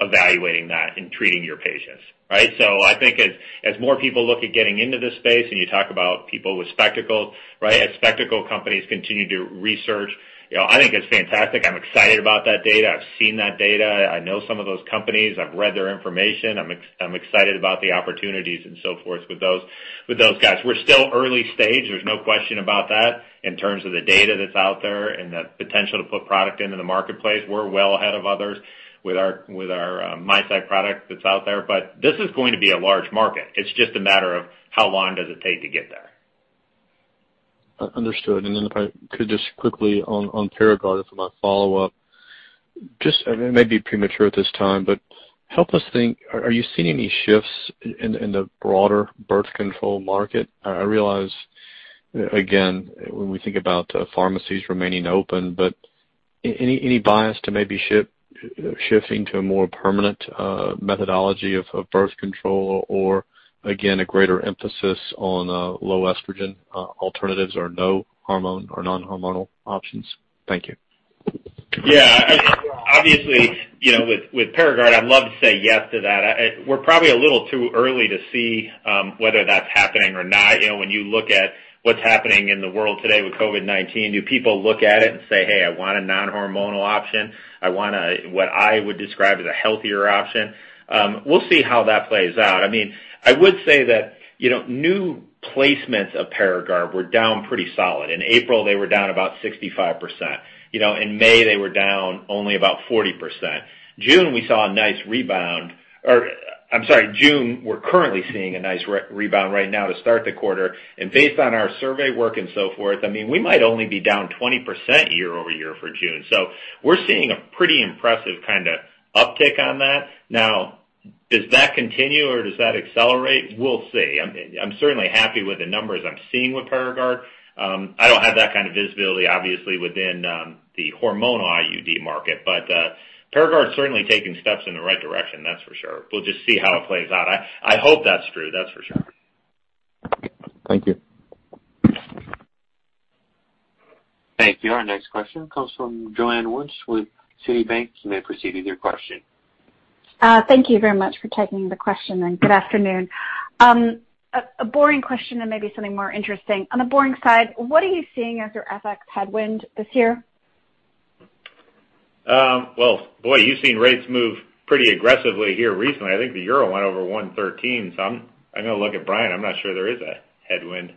evaluating that in treating your patients, right? I think as more people look at getting into this space, and you talk about people with spectacles, right? As spectacle companies continue to research, I think it's fantastic. I'm excited about that data. I've seen that data. I know some of those companies. I've read their information. I'm excited about the opportunities and so forth with those guys. We're still early stage, there's no question about that, in terms of the data that's out there and the potential to put product into the marketplace. We're well ahead of others with our MiSight product that's out there. This is going to be a large market. It's just a matter of how long does it take to get there. Understood. If I could just quickly on Paragard for my follow-up. Just, it may be premature at this time, help us think, are you seeing any shifts in the broader birth control market? I realize, again, when we think about pharmacies remaining open, any bias to maybe shifting to a more permanent methodology of birth control or again, a greater emphasis on low estrogen alternatives or no hormone or non-hormonal options? Thank you. Yeah. Obviously, with Paragard, I'd love to say yes to that. We're probably a little too early to see whether that's happening or not. When you look at what's happening in the world today with COVID-19, do people look at it and say, "Hey, I want a non-hormonal option. I want a," what I would describe, "as a healthier option"? We'll see how that plays out. I would say that new placements of Paragard were down pretty solid. In April, they were down about 65%. In May, they were down only about 40%. June, we're currently seeing a nice rebound right now to start the quarter, and based on our survey work and so forth, we might only be down 20% year-over-year for June. We're seeing a pretty impressive kind of uptick on that. Now, does that continue, or does that accelerate? We'll see. I'm certainly happy with the numbers I'm seeing with Paragard. I don't have that kind of visibility, obviously, within the hormonal IUD market. Paragard's certainly taking steps in the right direction, that's for sure. We'll just see how it plays out. I hope that's true, that's for sure. Thank you. Thank you. Our next question comes from Joanne Wuensch with Citibank. You may proceed with your question. Thank you very much for taking the question, and good afternoon. A boring question, and maybe something more interesting. On the boring side, what are you seeing as your FX headwind this year? Well, boy, you've seen rates move pretty aggressively here recently. I think the euro went over 113, so I'm going to look at Brian. I'm not sure there is a headwind.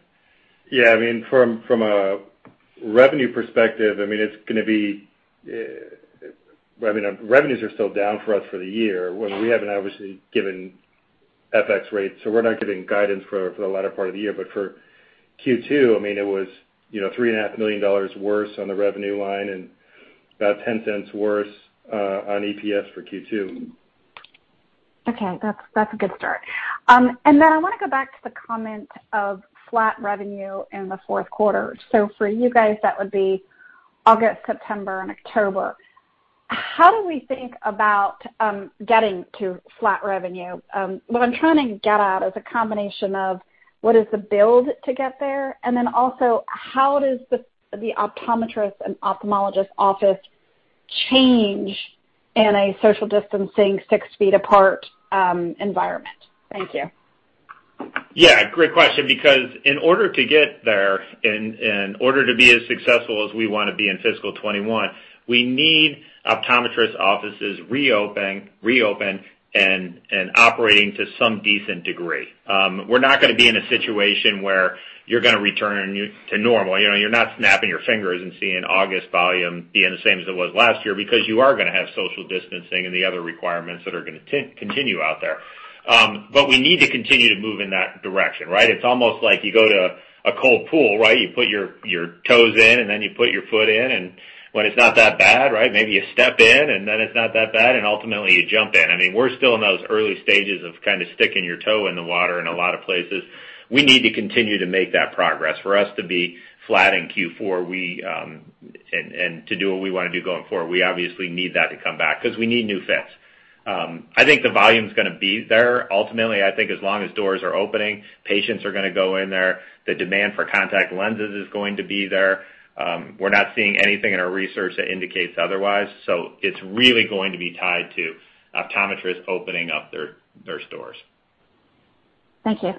Yeah, from a revenue perspective, revenues are still down for us for the year. We haven't obviously given FX rates, we're not giving guidance for the latter part of the year. For Q2, it was $3.5 million worse on the revenue line and about $0.10 worse on EPS for Q2. Okay. That's a good start. I want to go back to the comment of flat revenue in the fourth quarter. For you guys, that would be August, September, and October. How do we think about getting to flat revenue? What I'm trying to get at is a combination of what is the build to get there, also how does the optometrist and ophthalmologist office change in a social distancing 6 feet apart environment? Thank you. Yeah, great question, because in order to get there, in order to be as successful as we want to be in fiscal 2021, we need optometrist offices reopened and operating to some decent degree. We're not going to be in a situation where you're going to return to normal. You're not snapping your fingers and seeing August volume being the same as it was last year because you are going to have social distancing and the other requirements that are going to continue out there. We need to continue to move in that direction, right? It's almost like you go to a cold pool, right? You put your toes in, and then you put your foot in, and when it's not that bad, right, maybe you step in, and then it's not that bad, and ultimately, you jump in. We're still in those early stages of kind of sticking your toe in the water in a lot of places. We need to continue to make that progress. For us to be flat in Q4 and to do what we want to do going forward, we obviously need that to come back because we need new fits. I think the volume's going to be there ultimately. I think as long as doors are opening, patients are going to go in there. The demand for contact lenses is going to be there. We're not seeing anything in our research that indicates otherwise. It's really going to be tied to optometrists opening up their stores. Thank you.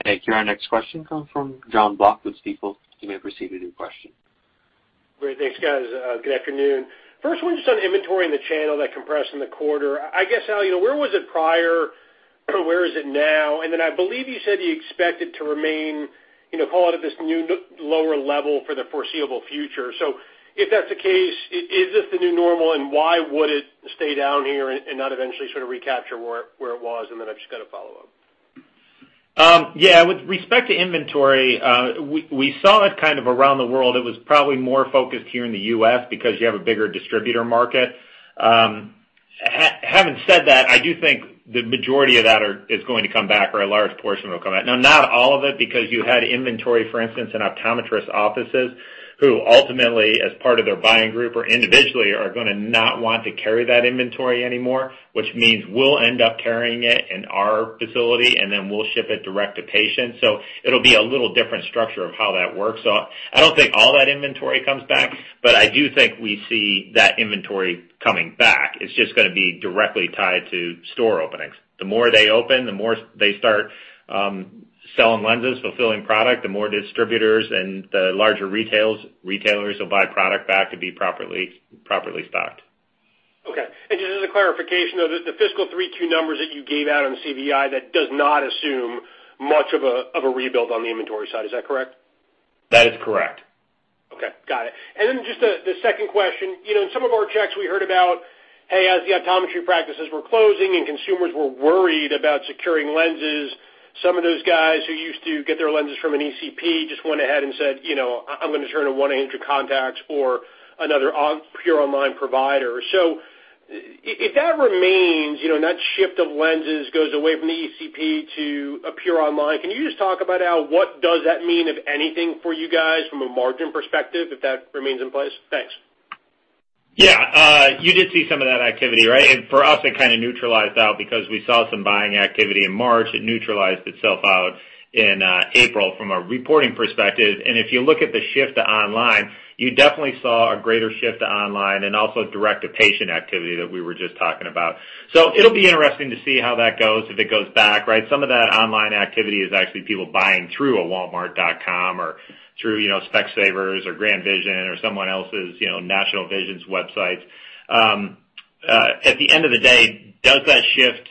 Okay. Our next question comes from Jon Block with Stifel. You may proceed with your question. Great. Thanks, guys. Good afternoon. First one, just on inventory in the channel that compressed in the quarter. I guess, Al, where was it prior? Where is it now? I believe you said you expect it to remain, call it at this new lower level for the foreseeable future. If that's the case, is this the new normal, and why would it stay down here and not eventually sort of recapture where it was? I've just got a follow-up. Yeah. With respect to inventory, we saw it kind of around the world. It was probably more focused here in the U.S. because you have a bigger distributor market. Having said that, I do think the majority of that is going to come back, or a large portion will come back. Now, not all of it because you had inventory, for instance, in optometrist offices, who ultimately, as part of their buying group or individually, are going to not want to carry that inventory anymore, which means we'll end up carrying it in our facility, and then we'll ship it direct-to-patients. It'll be a little different structure of how that works. I don't think all that inventory comes back, but I do think we see that inventory coming back. It's just going to be directly tied to store openings. The more they open, the more they start selling lenses, fulfilling product, the more distributors and the larger retailers will buy product back to be properly stocked. Okay. Just as a clarification, the fiscal 3Q 2020 numbers that you gave out on the CVI, that does not assume much of a rebuild on the inventory side. Is that correct? That is correct. Okay. Got it. Just the second question. In some of our checks, we heard about, hey, as the optometry practices were closing and consumers were worried about securing lenses, some of those guys who used to get their lenses from an ECP just went ahead and said, "I'm going to turn to 1-800 Contacts or another pure online provider." If that remains, and that shift of lenses goes away from the ECP to a pure online, can you just talk about, Al, what does that mean, if anything, for you guys from a margin perspective, if that remains in place? Thanks. You did see some of that activity, right? For us, it kind of neutralized out because we saw some buying activity in March. It neutralized itself out in April from a reporting perspective. If you look at the shift to online, you definitely saw a greater shift to online and also direct-to-patient activity that we were just talking about. It'll be interesting to see how that goes, if it goes back, right? Some of that online activity is actually people buying through a Walmart.com or through Specsavers or GrandVision or someone else's, National Vision's websites. At the end of the day, does that shift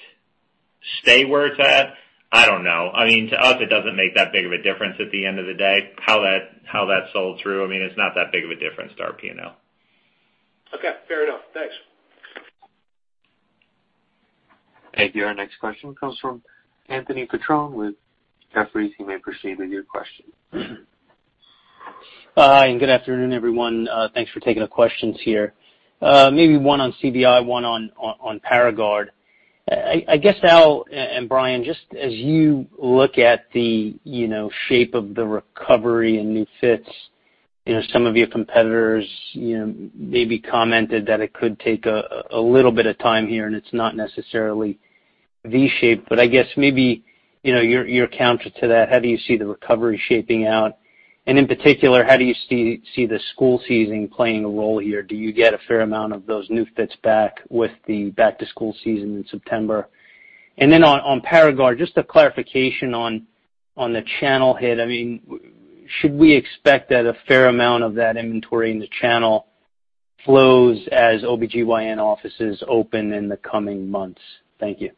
stay where it's at? I don't know. To us, it doesn't make that big of a difference at the end of the day, how that's sold through. It's not that big of a difference to our P&L. Okay. Fair enough. Thanks. Thank you. Our next question comes from Anthony Petrone with Jefferies. You may proceed with your question. Hi, good afternoon, everyone. Thanks for taking the questions here. Maybe one on CVI, one on Paragard. I guess, Al and Brian, just as you look at the shape of the recovery in new fit, some of your competitors maybe commented that it could take a little bit of time here, it's not necessarily V-shaped, I guess maybe your counter to that, how do you see the recovery shaping out? In particular, how do you see the school season playing a role here? Do you get a fair amount of those new fits back with the back-to-school season in September? On Paragard, just a clarification on the channel hit. Should we expect that a fair amount of that inventory in the channel flows as OBGYN offices open in the coming months? Thank you.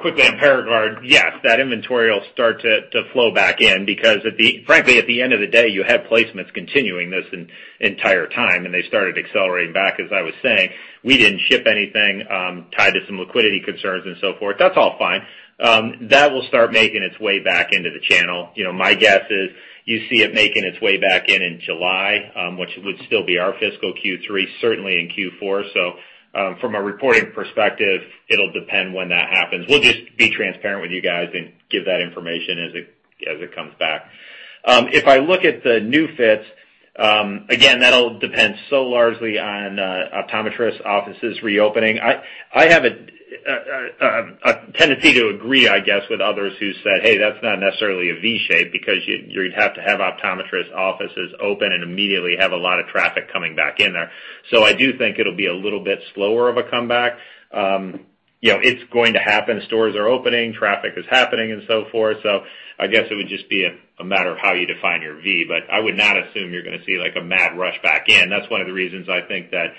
Quickly on Paragard. Yes, that inventory will start to flow back in because, frankly, at the end of the day, you had placements continuing this entire time, and they started accelerating back, as I was saying. We didn't ship anything tied to some liquidity concerns and so forth. That's all fine. That will start making its way back into the channel. My guess is you see it making its way back in in July, which would still be our fiscal Q3, certainly in Q4. From a reporting perspective, it'll depend when that happens. We'll just be transparent with you guys and give that information as it comes back. If I look at the new fits, again, that'll depend so largely on optometrist offices reopening. I have a tendency to agree, I guess, with others who said, "Hey, that's not necessarily a V shape," because you'd have to have optometrist offices open and immediately have a lot of traffic coming back in there. I do think it'll be a little bit slower of a comeback. It's going to happen. Stores are opening, traffic is happening, and so forth. I guess it would just be a matter of how you define your V, but I would not assume you're going to see a mad rush back in. That's one of the reasons I think that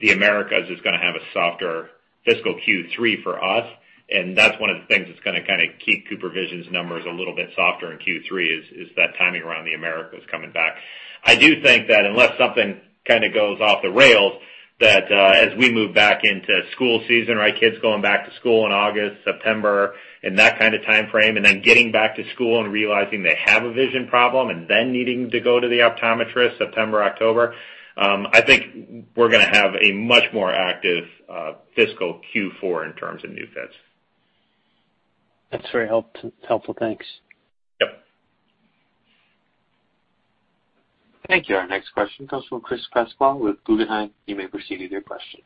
the Americas is going to have a softer fiscal Q3 for us, and that's one of the things that's going to kind of keep CooperVision's numbers a little bit softer in Q3, is that timing around the Americas coming back. I do think that unless something kind of goes off the rails, that as we move back into school season, kids going back to school in August, September, and that kind of timeframe, and then getting back to school and realizing they have a vision problem, and then needing to go to the optometrist September, October, I think we're going to have a much more active fiscal Q4 in terms of new fits. That's very helpful. Thanks. Yep. Thank you. Our next question comes from Chris Pasquale with Guggenheim. You may proceed with your question.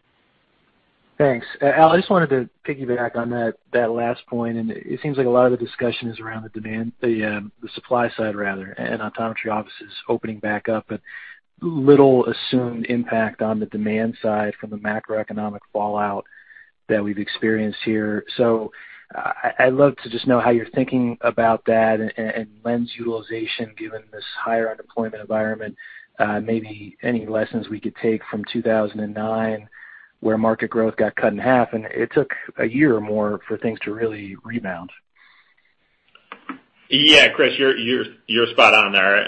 Thanks. Al, I just wanted to piggyback on that last point. It seems like a lot of the discussion is around the demand, the supply side rather, and optometry offices opening back up, but little assumed impact on the demand side from the macroeconomic fallout that we've experienced here. I'd love to just know how you're thinking about that and lens utilization, given this higher unemployment environment. Maybe any lessons we could take from 2009, where market growth got cut in half, and it took a year or more for things to really rebound. Yeah. Chris, you're spot on there.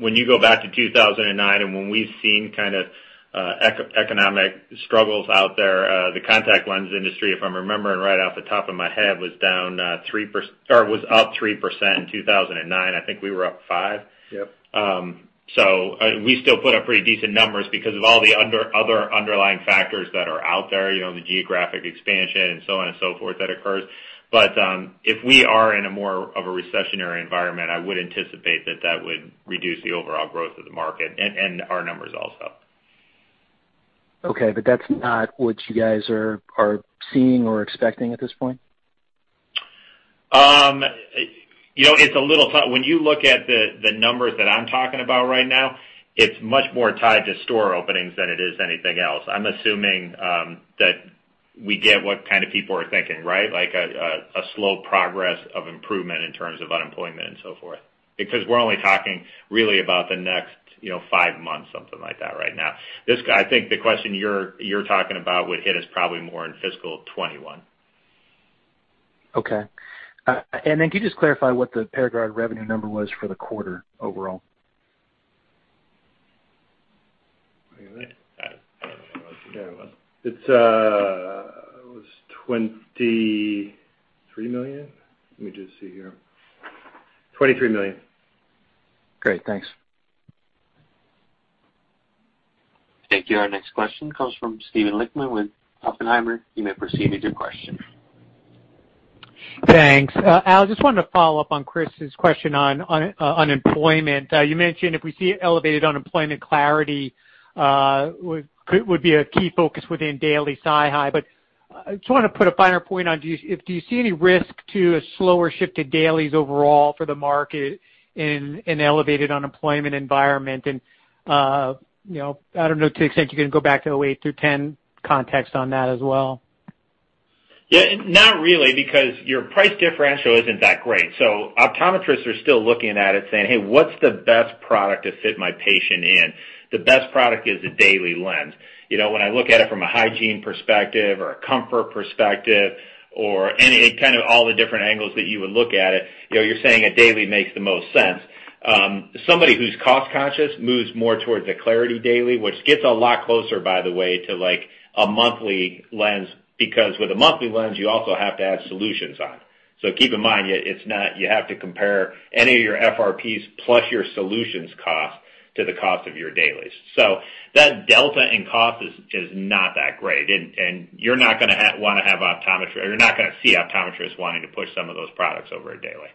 When you go back to 2009 and when we've seen kind of economic struggles out there, the contact lens industry, if I'm remembering right off the top of my head, was up 3% in 2009. I think we were up 5%. Yep. We still put up pretty decent numbers because of all the other underlying factors that are out there, the geographic expansion and so on and so forth that occurs. If we are in a more of a recessionary environment, I would anticipate that that would reduce the overall growth of the market and our numbers also. Okay. That's not what you guys are seeing or expecting at this point? When you look at the numbers that I'm talking about right now, it's much more tied to store openings than it is anything else. I'm assuming that we get what kind of people are thinking, right? Like a slow progress of improvement in terms of unemployment and so forth. We're only talking really about the next five months, something like that right now. I think the question you're talking about would hit us probably more in fiscal 2021. Okay. Then can you just clarify what the Paragard revenue number was for the quarter overall? It was $23 million? Let me just see here. $23 million. Great. Thanks. Thank you. Our next question comes from Steven Lichtman with Oppenheimer. You may proceed with your question. Thanks. Al, just wanted to follow up on Chris's question on unemployment. You mentioned if we see elevated unemployment, clariti would be a key focus within daily SiHy. I just want to put a finer point on, do you see any risk to a slower shift to dailies overall for the market in an elevated unemployment environment? I don't know, to the extent you can go back to the eight through 10 context on that as well. Yeah. Not really, because your price differential isn't that great. Optometrists are still looking at it saying, "Hey, what's the best product to fit my patient in?" The best product is a daily lens. When I look at it from a hygiene perspective or a comfort perspective or any kind of all the different angles that you would look at it, you're saying a daily makes the most sense. Somebody who's cost conscious moves more towards a clariti daily, which gets a lot closer, by the way, to a monthly lens, because with a monthly lens, you also have to add solutions on. Keep in mind, you have to compare any of your FRPs plus your solutions cost to the cost of your dailies. That delta in cost is not that great. You're not going to see optometrists wanting to push some of those products over a daily.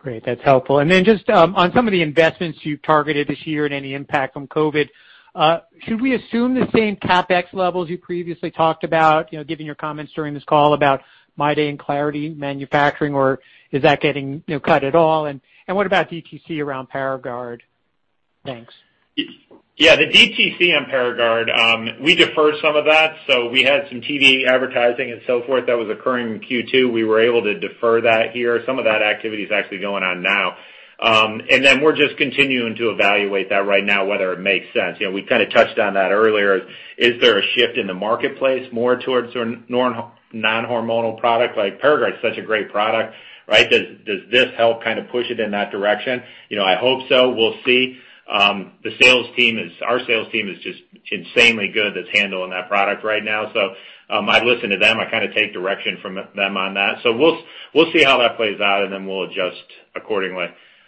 Great. That's helpful. Just on some of the investments you've targeted this year and any impact from COVID, should we assume the same CapEx levels you previously talked about, given your comments during this call about MyDay and clariti manufacturing, or is that getting cut at all? What about DTC around Paragard? Thanks. The DTC on Paragard, we deferred some of that. We had some TV advertising and so forth that was occurring in Q2. We were able to defer that here. Some of that activity is actually going on now. We're just continuing to evaluate that right now, whether it makes sense. We kind of touched on that earlier. Is there a shift in the marketplace more towards non-hormonal product? Paragard is such a great product, right? Does this help kind of push it in that direction? I hope so. We'll see. Our sales team is just insanely good that's handling that product right now. I'd listen to them. I kind of take direction from them on that. We'll see how that plays out and then we'll adjust accordingly.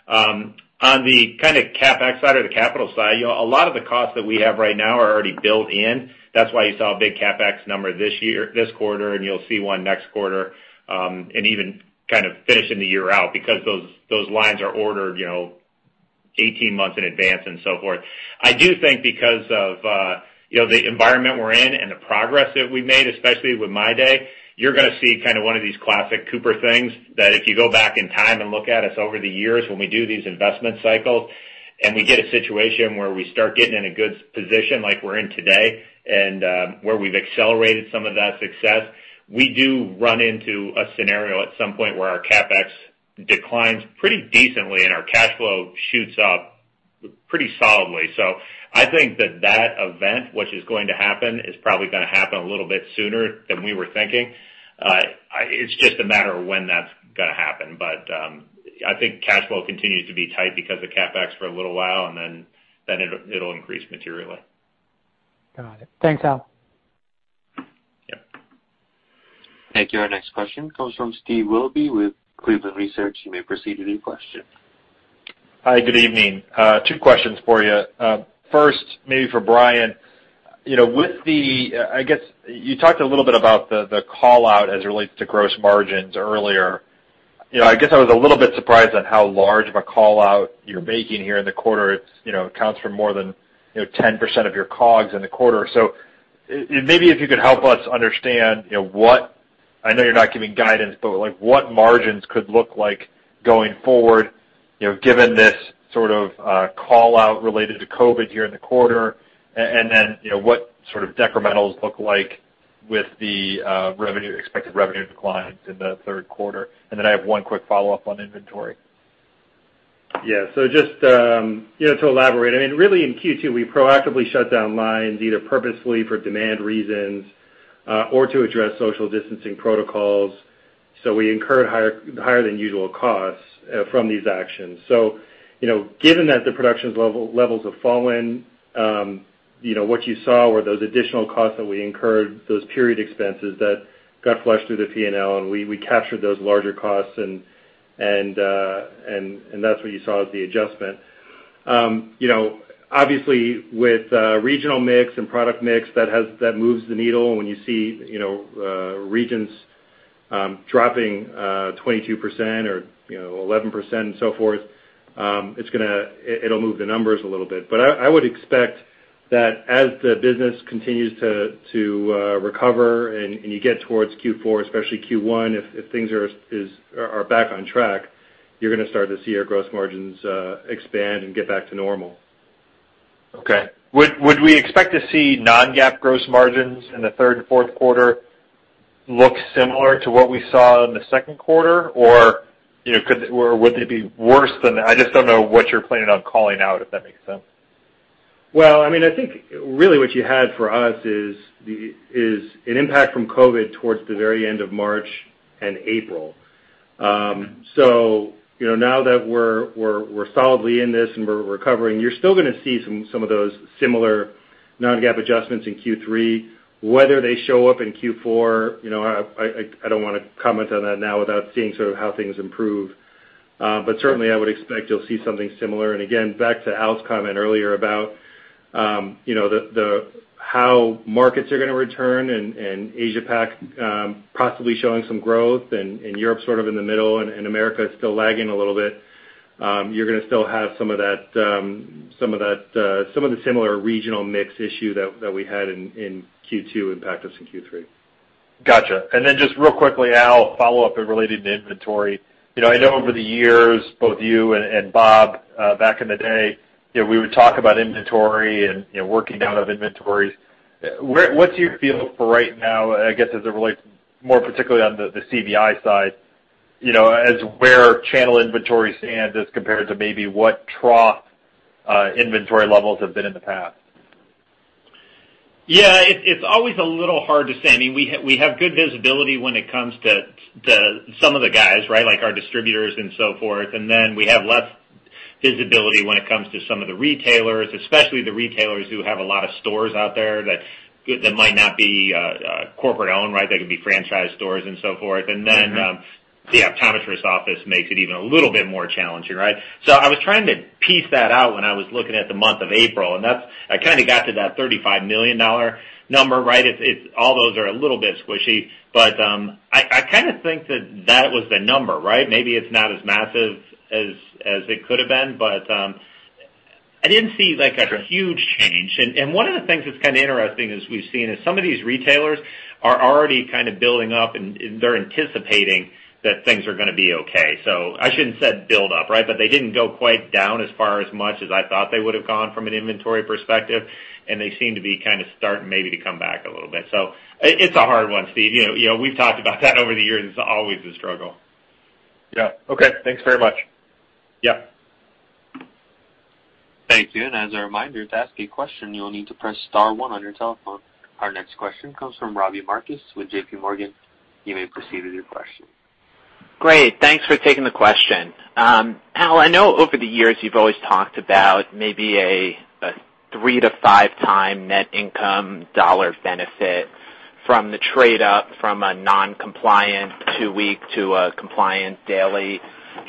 On the kind of CapEx side or the capital side, a lot of the costs that we have right now are already built in. That's why you saw a big CapEx number this quarter, and you'll see one next quarter, and even kind of finishing the year out because those lines are ordered 18 months in advance and so forth. I do think because of the environment we're in and the progress that we've made, especially with MyDay, you're going to see kind of one of these classic Cooper things. If you go back in time and look at us over the years when we do these investment cycles, and we get a situation where we start getting in a good position like we're in today and where we've accelerated some of that success, we do run into a scenario at some point where our CapEx declines pretty decently and our cash flow shoots up pretty solidly. I think that that event, which is going to happen, is probably going to happen a little bit sooner than we were thinking. It's just a matter of when that's going to happen. I think cash flow continues to be tight because of CapEx for a little while, and then it'll increase materially. Got it. Thanks, Al. Yeah. Thank you. Our next question comes from Steve Willoughby with Cleveland Research. You may proceed with your question. Hi, good evening. Two questions for you. First, maybe for Brian. I guess you talked a little bit about the call-out as it relates to gross margins earlier. I guess I was a little bit surprised at how large of a call-out you're making here in the quarter. It counts for more than 10% of your COGS in the quarter. Maybe if you could help us understand, I know you're not giving guidance, but what margins could look like going forward, given this sort of call-out related to COVID here in the quarter, and then, what sort of decrementals look like with the expected revenue declines in the third quarter? I have one quick follow-up on inventory. Yeah. Just to elaborate, I mean, really in Q2, we proactively shut down lines either purposefully for demand reasons or to address social distancing protocols. We incurred higher than usual costs from these actions. Given that the production levels have fallen, what you saw were those additional costs that we incurred, those period expenses that got flushed through the P&L, and we captured those larger costs and that's what you saw as the adjustment. Obviously, with regional mix and product mix, that moves the needle when you see regions dropping 22% or 11% and so forth. It'll move the numbers a little bit. I would expect that as the business continues to recover and you get towards Q4, especially Q1, if things are back on track, you're going to start to see our gross margins expand and get back to normal. Okay. Would we expect to see non-GAAP gross margins in the third and fourth quarter look similar to what we saw in the second quarter? Would they be worse than that? I just don't know what you're planning on calling out, if that makes sense. Well, I mean, I think really what you had for us is an impact from COVID towards the very end of March and April. Now that we're solidly in this and we're recovering, you're still going to see some of those similar non-GAAP adjustments in Q3. Whether they show up in Q4, I don't want to comment on that now without seeing sort of how things improve. Certainly I would expect you'll see something similar, and again, back to Al's comment earlier about. how markets are going to return and Asia-Pac possibly showing some growth, and Europe sort of in the middle, and America is still lagging a little bit, you're going to still have some of the similar regional mix issue that we had in Q2 impact us in Q3. Got you. Just real quickly, Al, a follow-up related to inventory. I know over the years, both you and Bob, back in the day, we would talk about inventory and working out of inventories. What's your feel for right now, I guess, as it relates more particularly on the CVI side, as where channel inventory stands as compared to maybe what trough inventory levels have been in the past? Yeah. It's always a little hard to say. We have good visibility when it comes to some of the guys, right? Like our distributors and so forth. We have less visibility when it comes to some of the retailers, especially the retailers who have a lot of stores out there that might not be corporate-owned, right? They could be franchise stores and so forth. The optometrist office makes it even a little bit more challenging, right? I was trying to piece that out when I was looking at the month of April, and I kind of got to that $35 million number, right? All those are a little bit squishy, but I kind of think that that was the number, right? Maybe it's not as massive as it could've been, but I didn't see a huge change. One of the things that's kind of interesting is we've seen is some of these retailers are already kind of building up, and they're anticipating that things are going to be okay. I shouldn't have said build up, right? They didn't go quite down as far as much as I thought they would've gone from an inventory perspective, and they seem to be kind of starting maybe to come back a little bit. It's a hard one, Steve. We've talked about that over the years. It's always a struggle. Yeah. Okay. Thanks very much. Yeah. Thank you. As a reminder, to ask a question, you'll need to press star one on your telephone. Our next question comes from Robbie Marcus with JPMorgan. You may proceed with your question. Great. Thanks for taking the question. Al, I know over the years you've always talked about maybe a three to five time net income dollar benefit from the trade up from a non-compliant two-week to a compliant daily.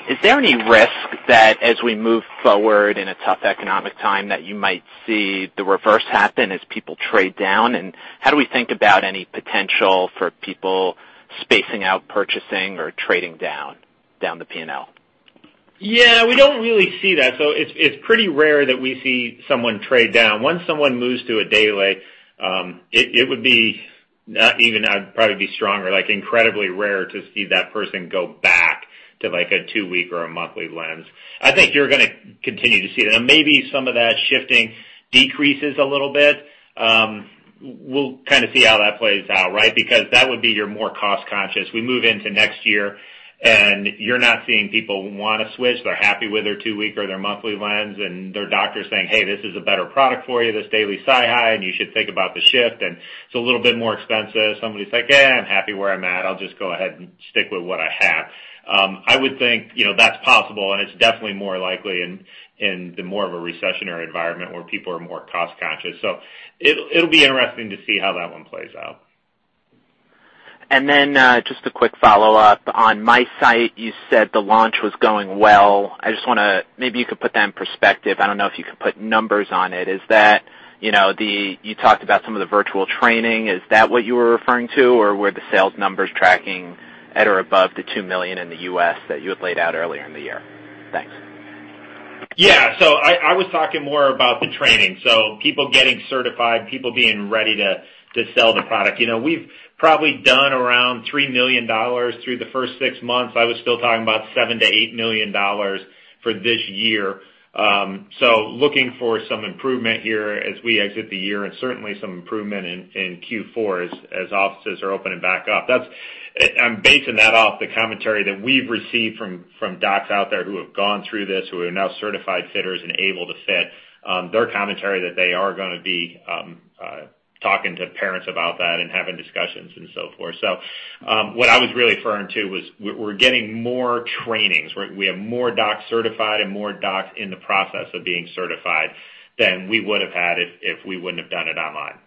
Is there any risk that as we move forward in a tough economic time, that you might see the reverse happen as people trade down? How do we think about any potential for people spacing out purchasing or trading down the P&L? Yeah, we don't really see that. It's pretty rare that we see someone trade down. Once someone moves to a daily, it would be not even, I'd probably be stronger, like incredibly rare to see that person go back to a two-week or a monthly lens. I think you're going to continue to see that. Maybe some of that shifting decreases a little bit. We'll kind of see how that plays out, right? Because that would be your more cost-conscious. We move into next year, and you're not seeing people want to switch. They're happy with their two-week or their monthly lens, and their doctor's saying, "Hey, this is a better product for you, this daily SiHy, and you should think about the shift, and it's a little bit more expensive." Somebody's like, "Yeah, I'm happy where I'm at. I'll just go ahead and stick with what I have." I would think that's possible, and it's definitely more likely in the more of a recessionary environment where people are more cost-conscious. It'll be interesting to see how that one plays out. Just a quick follow-up. On MiSight, you said the launch was going well. Maybe you could put that in perspective. I don't know if you could put numbers on it. You talked about some of the virtual training. Is that what you were referring to, or were the sales numbers tracking at or above the $2 million in the U.S. that you had laid out earlier in the year? Thanks. Yeah. I was talking more about the training, so people getting certified, people being ready to sell the product. We've probably done around $3 million through the first six months. I was still talking about $7 million-$8 million for this year. Looking for some improvement here as we exit the year, and certainly some improvement in Q4 as offices are opening back up. I'm basing that off the commentary that we've received from docs out there who have gone through this, who are now certified fitters and able to fit. Their commentary that they are going to be talking to parents about that and having discussions and so forth. What I was really referring to was we're getting more trainings, right? We have more docs certified and more docs in the process of being certified than we would've had if we wouldn't have done it online.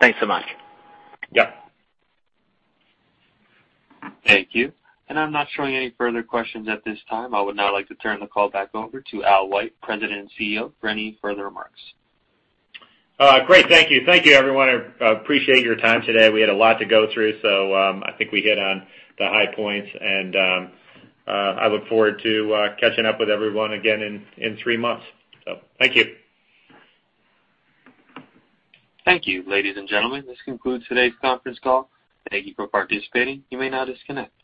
Thanks so much. Yeah. Thank you. I'm not showing any further questions at this time. I would now like to turn the call back over to Al White, President and CEO, for any further remarks. Great. Thank you. Thank you, everyone. I appreciate your time today. We had a lot to go through, so I think we hit on the high points, and I look forward to catching up with everyone again in three months. Thank you. Thank you. Ladies and gentlemen, this concludes today's conference call. Thank you for participating. You may now disconnect.